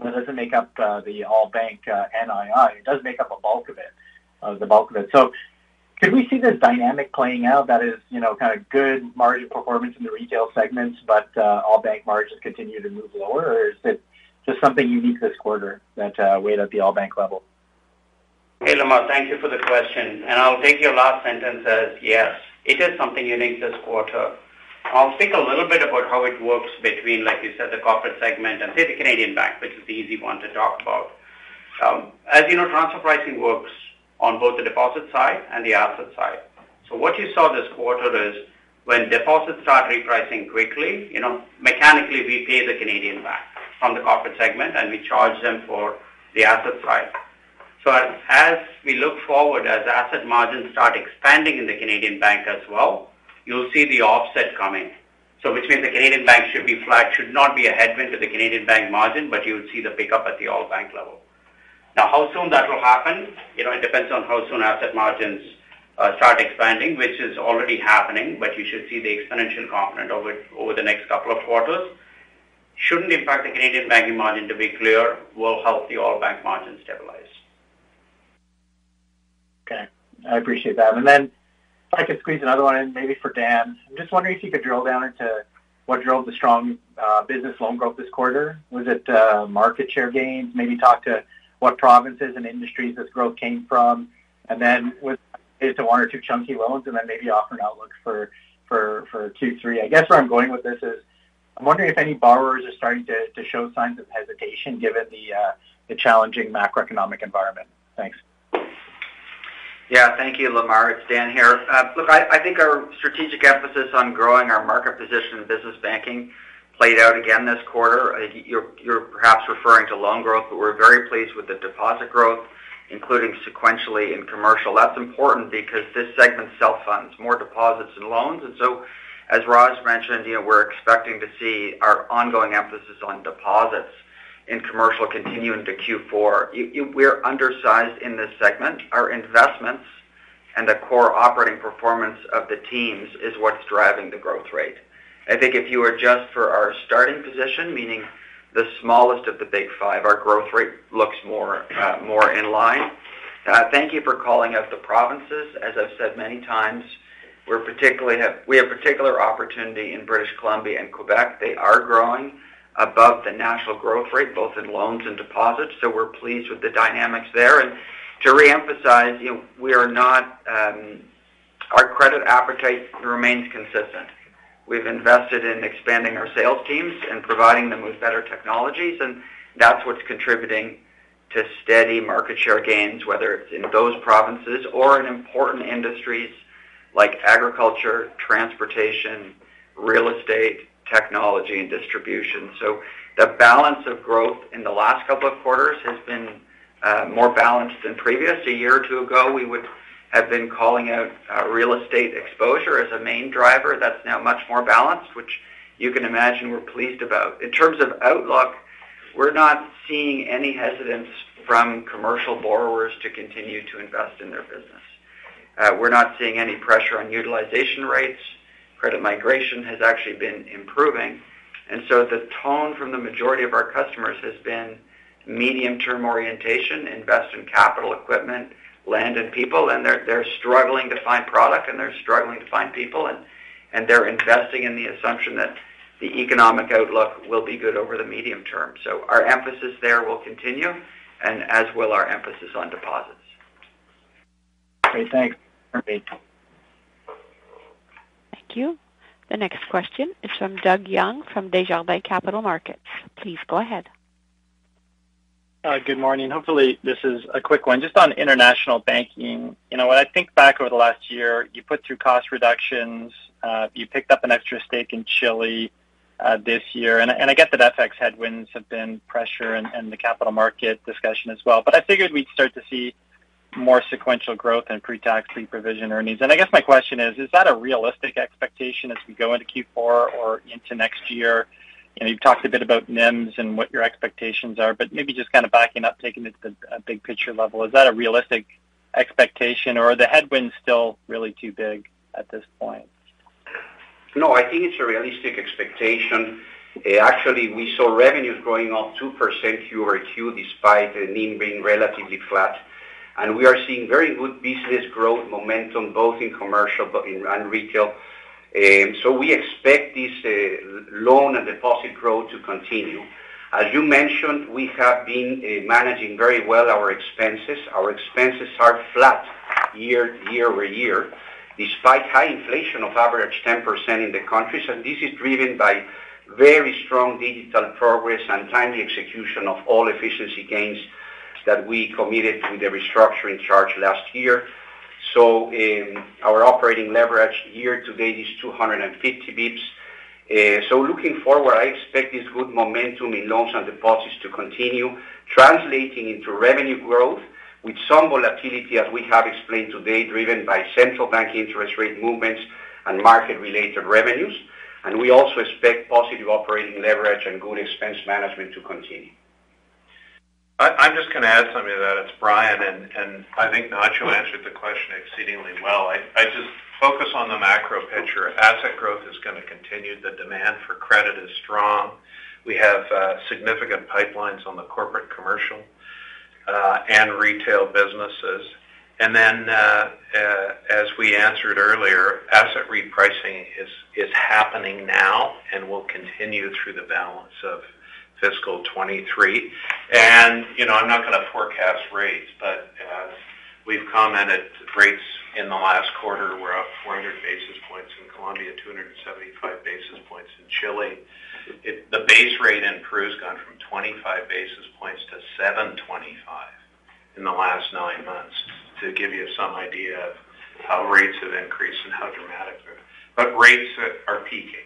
it doesn't make up the all bank NII, it does make up the bulk of it. Could we see this dynamic playing out that is, you know, kind of good margin performance in the retail segments, but all bank margins continue to move lower? Or is it just something unique this quarter that weighed at the all bank level? Hey, Lemar, thank you for the question. I'll take your last sentence as, yes, it is something unique this quarter. I'll speak a little bit about how it works between, like you said, the corporate segment and say the Canadian bank, which is the easy one to talk about. As you know, transfer pricing works on both the deposit side and the asset side. What you saw this quarter is when deposits start repricing quickly, you know, mechanically, we pay the Canadian bank from the corporate segment, and we charge them for the asset side. As we look forward, as asset margins start expanding in the Canadian bank as well, you'll see the offset coming. Which means the Canadian bank should be flat, should not be a headwind to the Canadian bank margin, but you'll see the pickup at the all bank level. Now, how soon that will happen, you know, it depends on how soon asset margins start expanding, which is already happening, but you should see the exponential component of it over the next couple of quarters. Shouldn't impact the Canadian banking margin, to be clear. Will help the all bank margin stabilize. Okay. I appreciate that. If I could squeeze another one in maybe for Dan. I'm just wondering if you could drill down into what drove the strong business loan growth this quarter. Was it market share gains? Maybe talk to what provinces and industries this growth came from. Was it 1 or 2 chunky loans? Maybe offer an outlook for Q2, Q3. I guess where I'm going with this is I'm wondering if any borrowers are starting to show signs of hesitation given the challenging macroeconomic environment. Thanks. Yeah. Thank you, Lemar. It's Dan here. Look, I think our strategic emphasis on growing our market position in business banking played out again this quarter. You're perhaps referring to loan growth, but we're very pleased with the deposit growth, including sequentially in commercial. That's important because this segment self-funds more deposits and loans. As Raj mentioned, you know, we're expecting to see our ongoing emphasis on deposits in commercial continuing to Q4. We're undersized in this segment. Our investments and the core operating performance of the teams is what's driving the growth rate. I think if you adjust for our starting position, meaning the smallest of the big 5, our growth rate looks more in line. Thank you for calling out the provinces. As I've said many times, we have particular opportunity in British Columbia and Quebec. They are growing above the national growth rate, both in loans and deposits. We're pleased with the dynamics there. To reemphasize, you know, we are not Our credit appetite remains consistent. We've invested in expanding our sales teams and providing them with better technologies, and that's what's contributing to steady market share gains, whether it's in those provinces or in important industries like agriculture, transportation, real estate, technology, and distribution. The balance of growth in the last couple of quarters has been more balanced than previous. A year or 2 ago, we would have been calling out real estate exposure as a main driver. That's now much more balanced, which you can imagine we're pleased about. In terms of outlook, we're not seeing any hesitance from commercial borrowers to continue to invest in their business. We're not seeing any pressure on utilization rates. Credit migration has actually been improving. The tone from the majority of our customers has been medium-term orientation, invest in capital equipment, land and people, and they're struggling to find product and they're struggling to find people and they're investing in the assumption that the economic outlook will be good over the medium term. Our emphasis there will continue and as will our emphasis on deposits. Okay, thanks. Thank you. The next question is from Doug Young from Desjardins Capital Markets. Please go ahead. Hi, good morning. Hopefully, this is a quick one. Just on international banking. You know, when I think back over the last year, you put through cost reductions, you picked up an extra stake in Chile, this year. I get that FX headwinds have been pressuring in the capital market discussion as well. I figured we'd start to see more sequential growth and pre-tax, pre-provision earnings. I guess my question is that a realistic expectation as we go into Q4 or into next year? You know, you've talked a bit about NIMs and what your expectations are, but maybe just kind of backing up, taking it to a big picture level, is that a realistic expectation or are the headwinds still really too big at this point? No, I think it's a realistic expectation. Actually, we saw revenues growing up 2% Q-over-Q despite NIM being relatively flat. We are seeing very good business growth momentum, both in commercial and retail. We expect this loan and deposit growth to continue. As you mentioned, we have been managing very well our expenses. Our expenses are flat year-over-year, despite high inflation of average 10% in the countries. This is driven by very strong digital progress and timely execution of all efficiency gains that we committed through the restructuring charge last year. Our operating leverage year to date is 250 basis points. Looking forward, I expect this good momentum in loans and deposits to continue translating into revenue growth with some volatility, as we have explained today, driven by central bank interest rate movements and market-related revenues. We also expect positive operating leverage and good expense management to continue. I'm just gonna add something to that. It's Brian, and I think Nacho answered the question exceedingly well. I just focus on the macro picture. Asset growth is gonna continue. The demand for credit is strong. We have significant pipelines on the corporate, commercial, and retail businesses. As we answered earlier, asset repricing is happening now and will continue through the balance of fiscal 2023. You know, I'm not gonna forecast rates, but we've commented rates in the last quarter were up 400 basis points in Colombia, 275 basis points in Chile. The base rate in Peru has gone from 25 basis points to 725 in the last 9 months, to give you some idea of how rates have increased and how dramatic they are. Rates are peaking,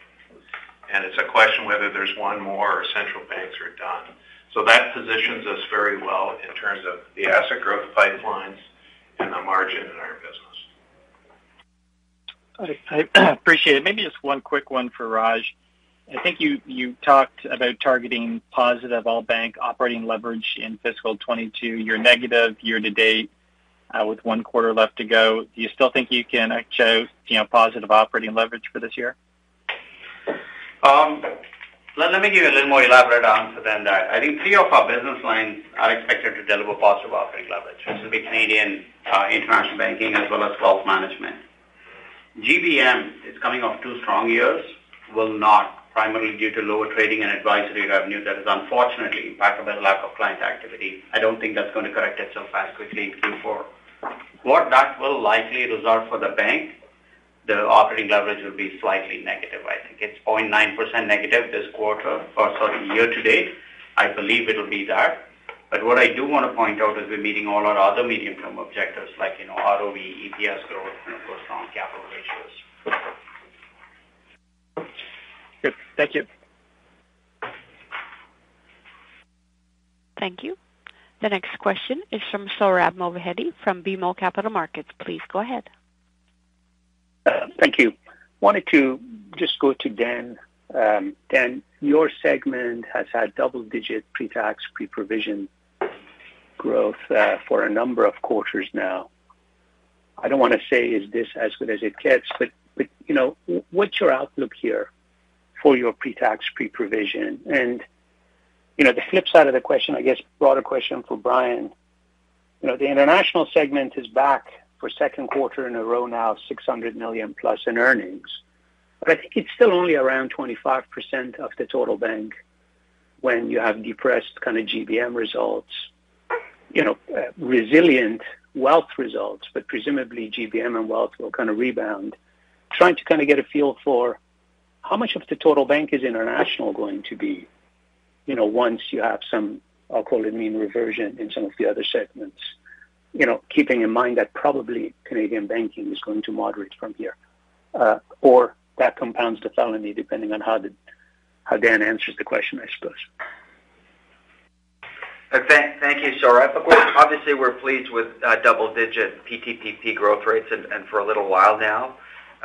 and it's a question whether there's 1 more or central banks are done. That positions us very well in terms of the asset growth pipelines and the margin in our business. I appreciate it. Maybe just 1 quick one for Raj. I think you talked about targeting positive all bank operating leverage in fiscal 2022. You're negative year to date, with 1 quarter left to go. Do you still think you can show, you know, positive operating leverage for this year? Let me give you a little more elaborate answer than that. I think 3 of our business lines are expected to deliver positive operating leverage. This will be Canadian, international banking as well as wealth management. GBM is coming off 2 strong years, will not primarily due to lower trading and advisory revenue that is unfortunately impacted by the lack of client activity. I don't think that's going to correct itself as quickly in Q4. What that will likely result for the bank, the operating leverage will be slightly negative, I think. It's 0.9% negative this quarter or sorry, year to date. I believe it'll be that. What I do want to point out is we're meeting all our other medium-term objectives like, you know, ROE, EPS growth, and of course, strong capital ratios. Good. Thank you. Thank you. The next question is from Sohrab Movahedi from BMO Capital Markets. Please go ahead. Thank you. Wanted to just go to Dan. Dan, your segment has had double-digit pre-tax, pre-provision growth for a number of quarters now. I don't want to say is this as good as it gets, but you know, what's your outlook here for your pre-tax, pre-provision? The flip side of the question, I guess, broader question for Brian, you know, the international segment is back for Q2 in a row now, 600 million+ in earnings. I think it's still only around 25% of the total bank when you have depressed kind of GBM results. You know, resilient wealth results, but presumably GBM and wealth will kind of rebound. Trying to kind of get a feel for how much of the total bank is international going to be, you know, once you have some, I'll call it mean reversion in some of the other segments. You know, keeping in mind that probably Canadian banking is going to moderate from here, or that compounds the felony depending on how Dan answers the question, I suppose. Thank you, Sohrab. Of course, obviously we're pleased with double-digit PTPP growth rates and for a little while now.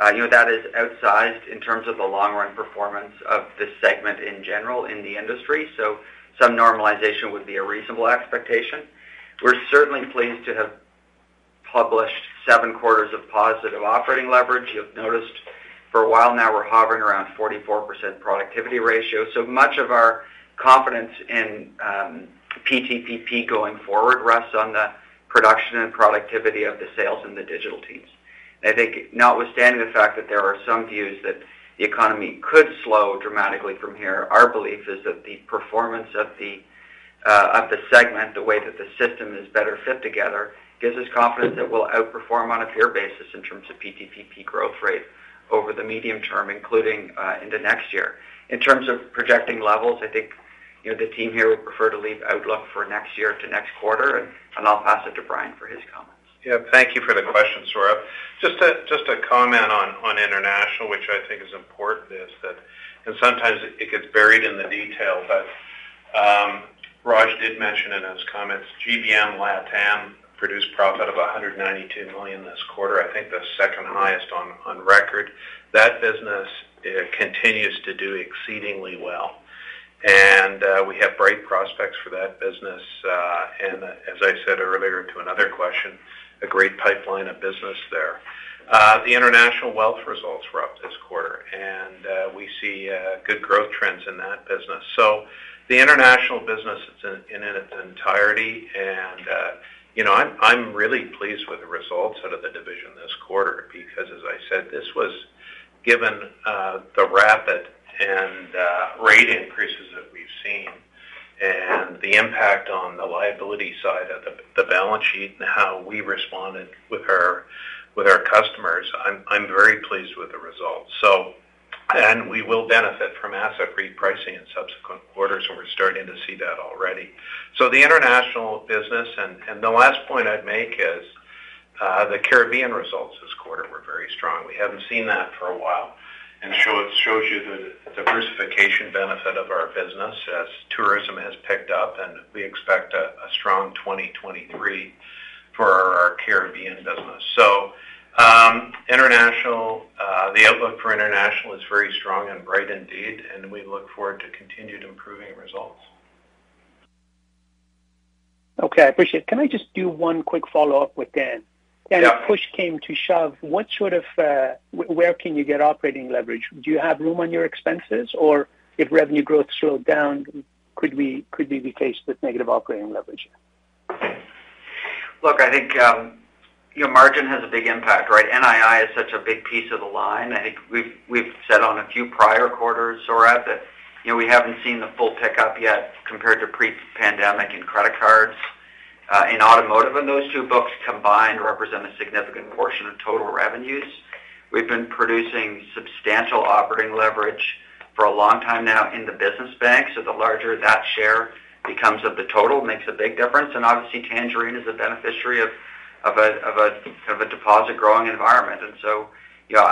You know that is outsized in terms of the long-run performance of this segment in general in the industry. Some normalization would be a reasonable expectation. We're certainly pleased to have published 7 quarters of positive operating leverage. You've noticed for a while now we're hovering around 44% productivity ratio. Much of our confidence in PTPP going forward rests on the production and productivity of the sales and the digital teams. I think notwithstanding the fact that there are some views that the economy could slow dramatically from here, our belief is that the performance of the segment, the way that the system is better fit together, gives us confidence that we'll outperform on a fair basis in terms of PTPP growth rate over the medium term, including into next year. In terms of projecting levels, I think, you know, the team here would prefer to leave outlook for next year to next quarter, and I'll pass it to Brian for his comments. Yeah. Thank you for the question, Sohrab. Just a comment on international, which I think is important, is that sometimes it gets buried in the detail. Raj did mention in his comments, GBM LATAM produced profit of 192 million this quarter. I think the 2nd highest on record. That business continues to do exceedingly well. We have bright prospects for that business. As I said earlier to another question, a great pipeline of business there. The international wealth results were up this quarter, and we see good growth trends in that business. The international business in its entirety and you know I'm really pleased with the results out of the division this quarter because as I said this was given the rapid and rate increases that we've seen and the impact on the liability side of the balance sheet and how we responded with our customers. I'm very pleased with the results. We will benefit from asset repricing in subsequent quarters, and we're starting to see that already. The international business. The last point I'd make is the Caribbean results this quarter were very strong. We haven't seen that for a while, and it shows you the diversification benefit of our business as tourism has picked up, and we expect a strong 2023 for our Caribbean business. International, the outlook for international is very strong and bright indeed, and we look forward to continued improving results. Okay. I appreciate it. Can I just do 1 quick follow-up with Dan? Yeah. When push came to shove, what sort of, where can you get operating leverage? Do you have room on your expenses? Or if revenue growth slowed down, could we be faced with negative operating leverage? Look, I think, you know, margin has a big impact, right? NII is such a big piece of the line. I think we've said on a few prior quarters, Sohrab, that, you know, we haven't seen the full pickup yet compared to pre-pandemic in credit cards, in automotive. Those 2 books combined represent a significant portion of total revenues. We've been producing substantial operating leverage for a long time now in the business bank. The larger that share becomes of the total makes a big difference. Obviously Tangerine is a beneficiary of a deposit growing environment.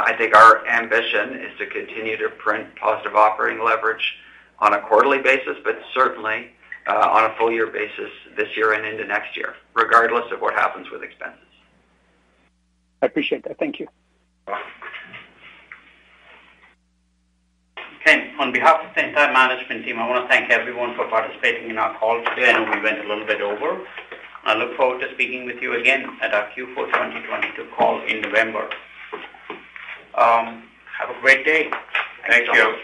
I think our ambition is to continue to print positive operating leverage on a quarterly basis, but certainly on a full year basis this year and into next year, regardless of what happens with expenses. I appreciate that. Thank you. Okay. On behalf of the entire management team, I want to thank everyone for participating in our call today. I know we went a little bit over. I look forward to speaking with you again at our Q4 2022 call in November. Have a great day. Thank you.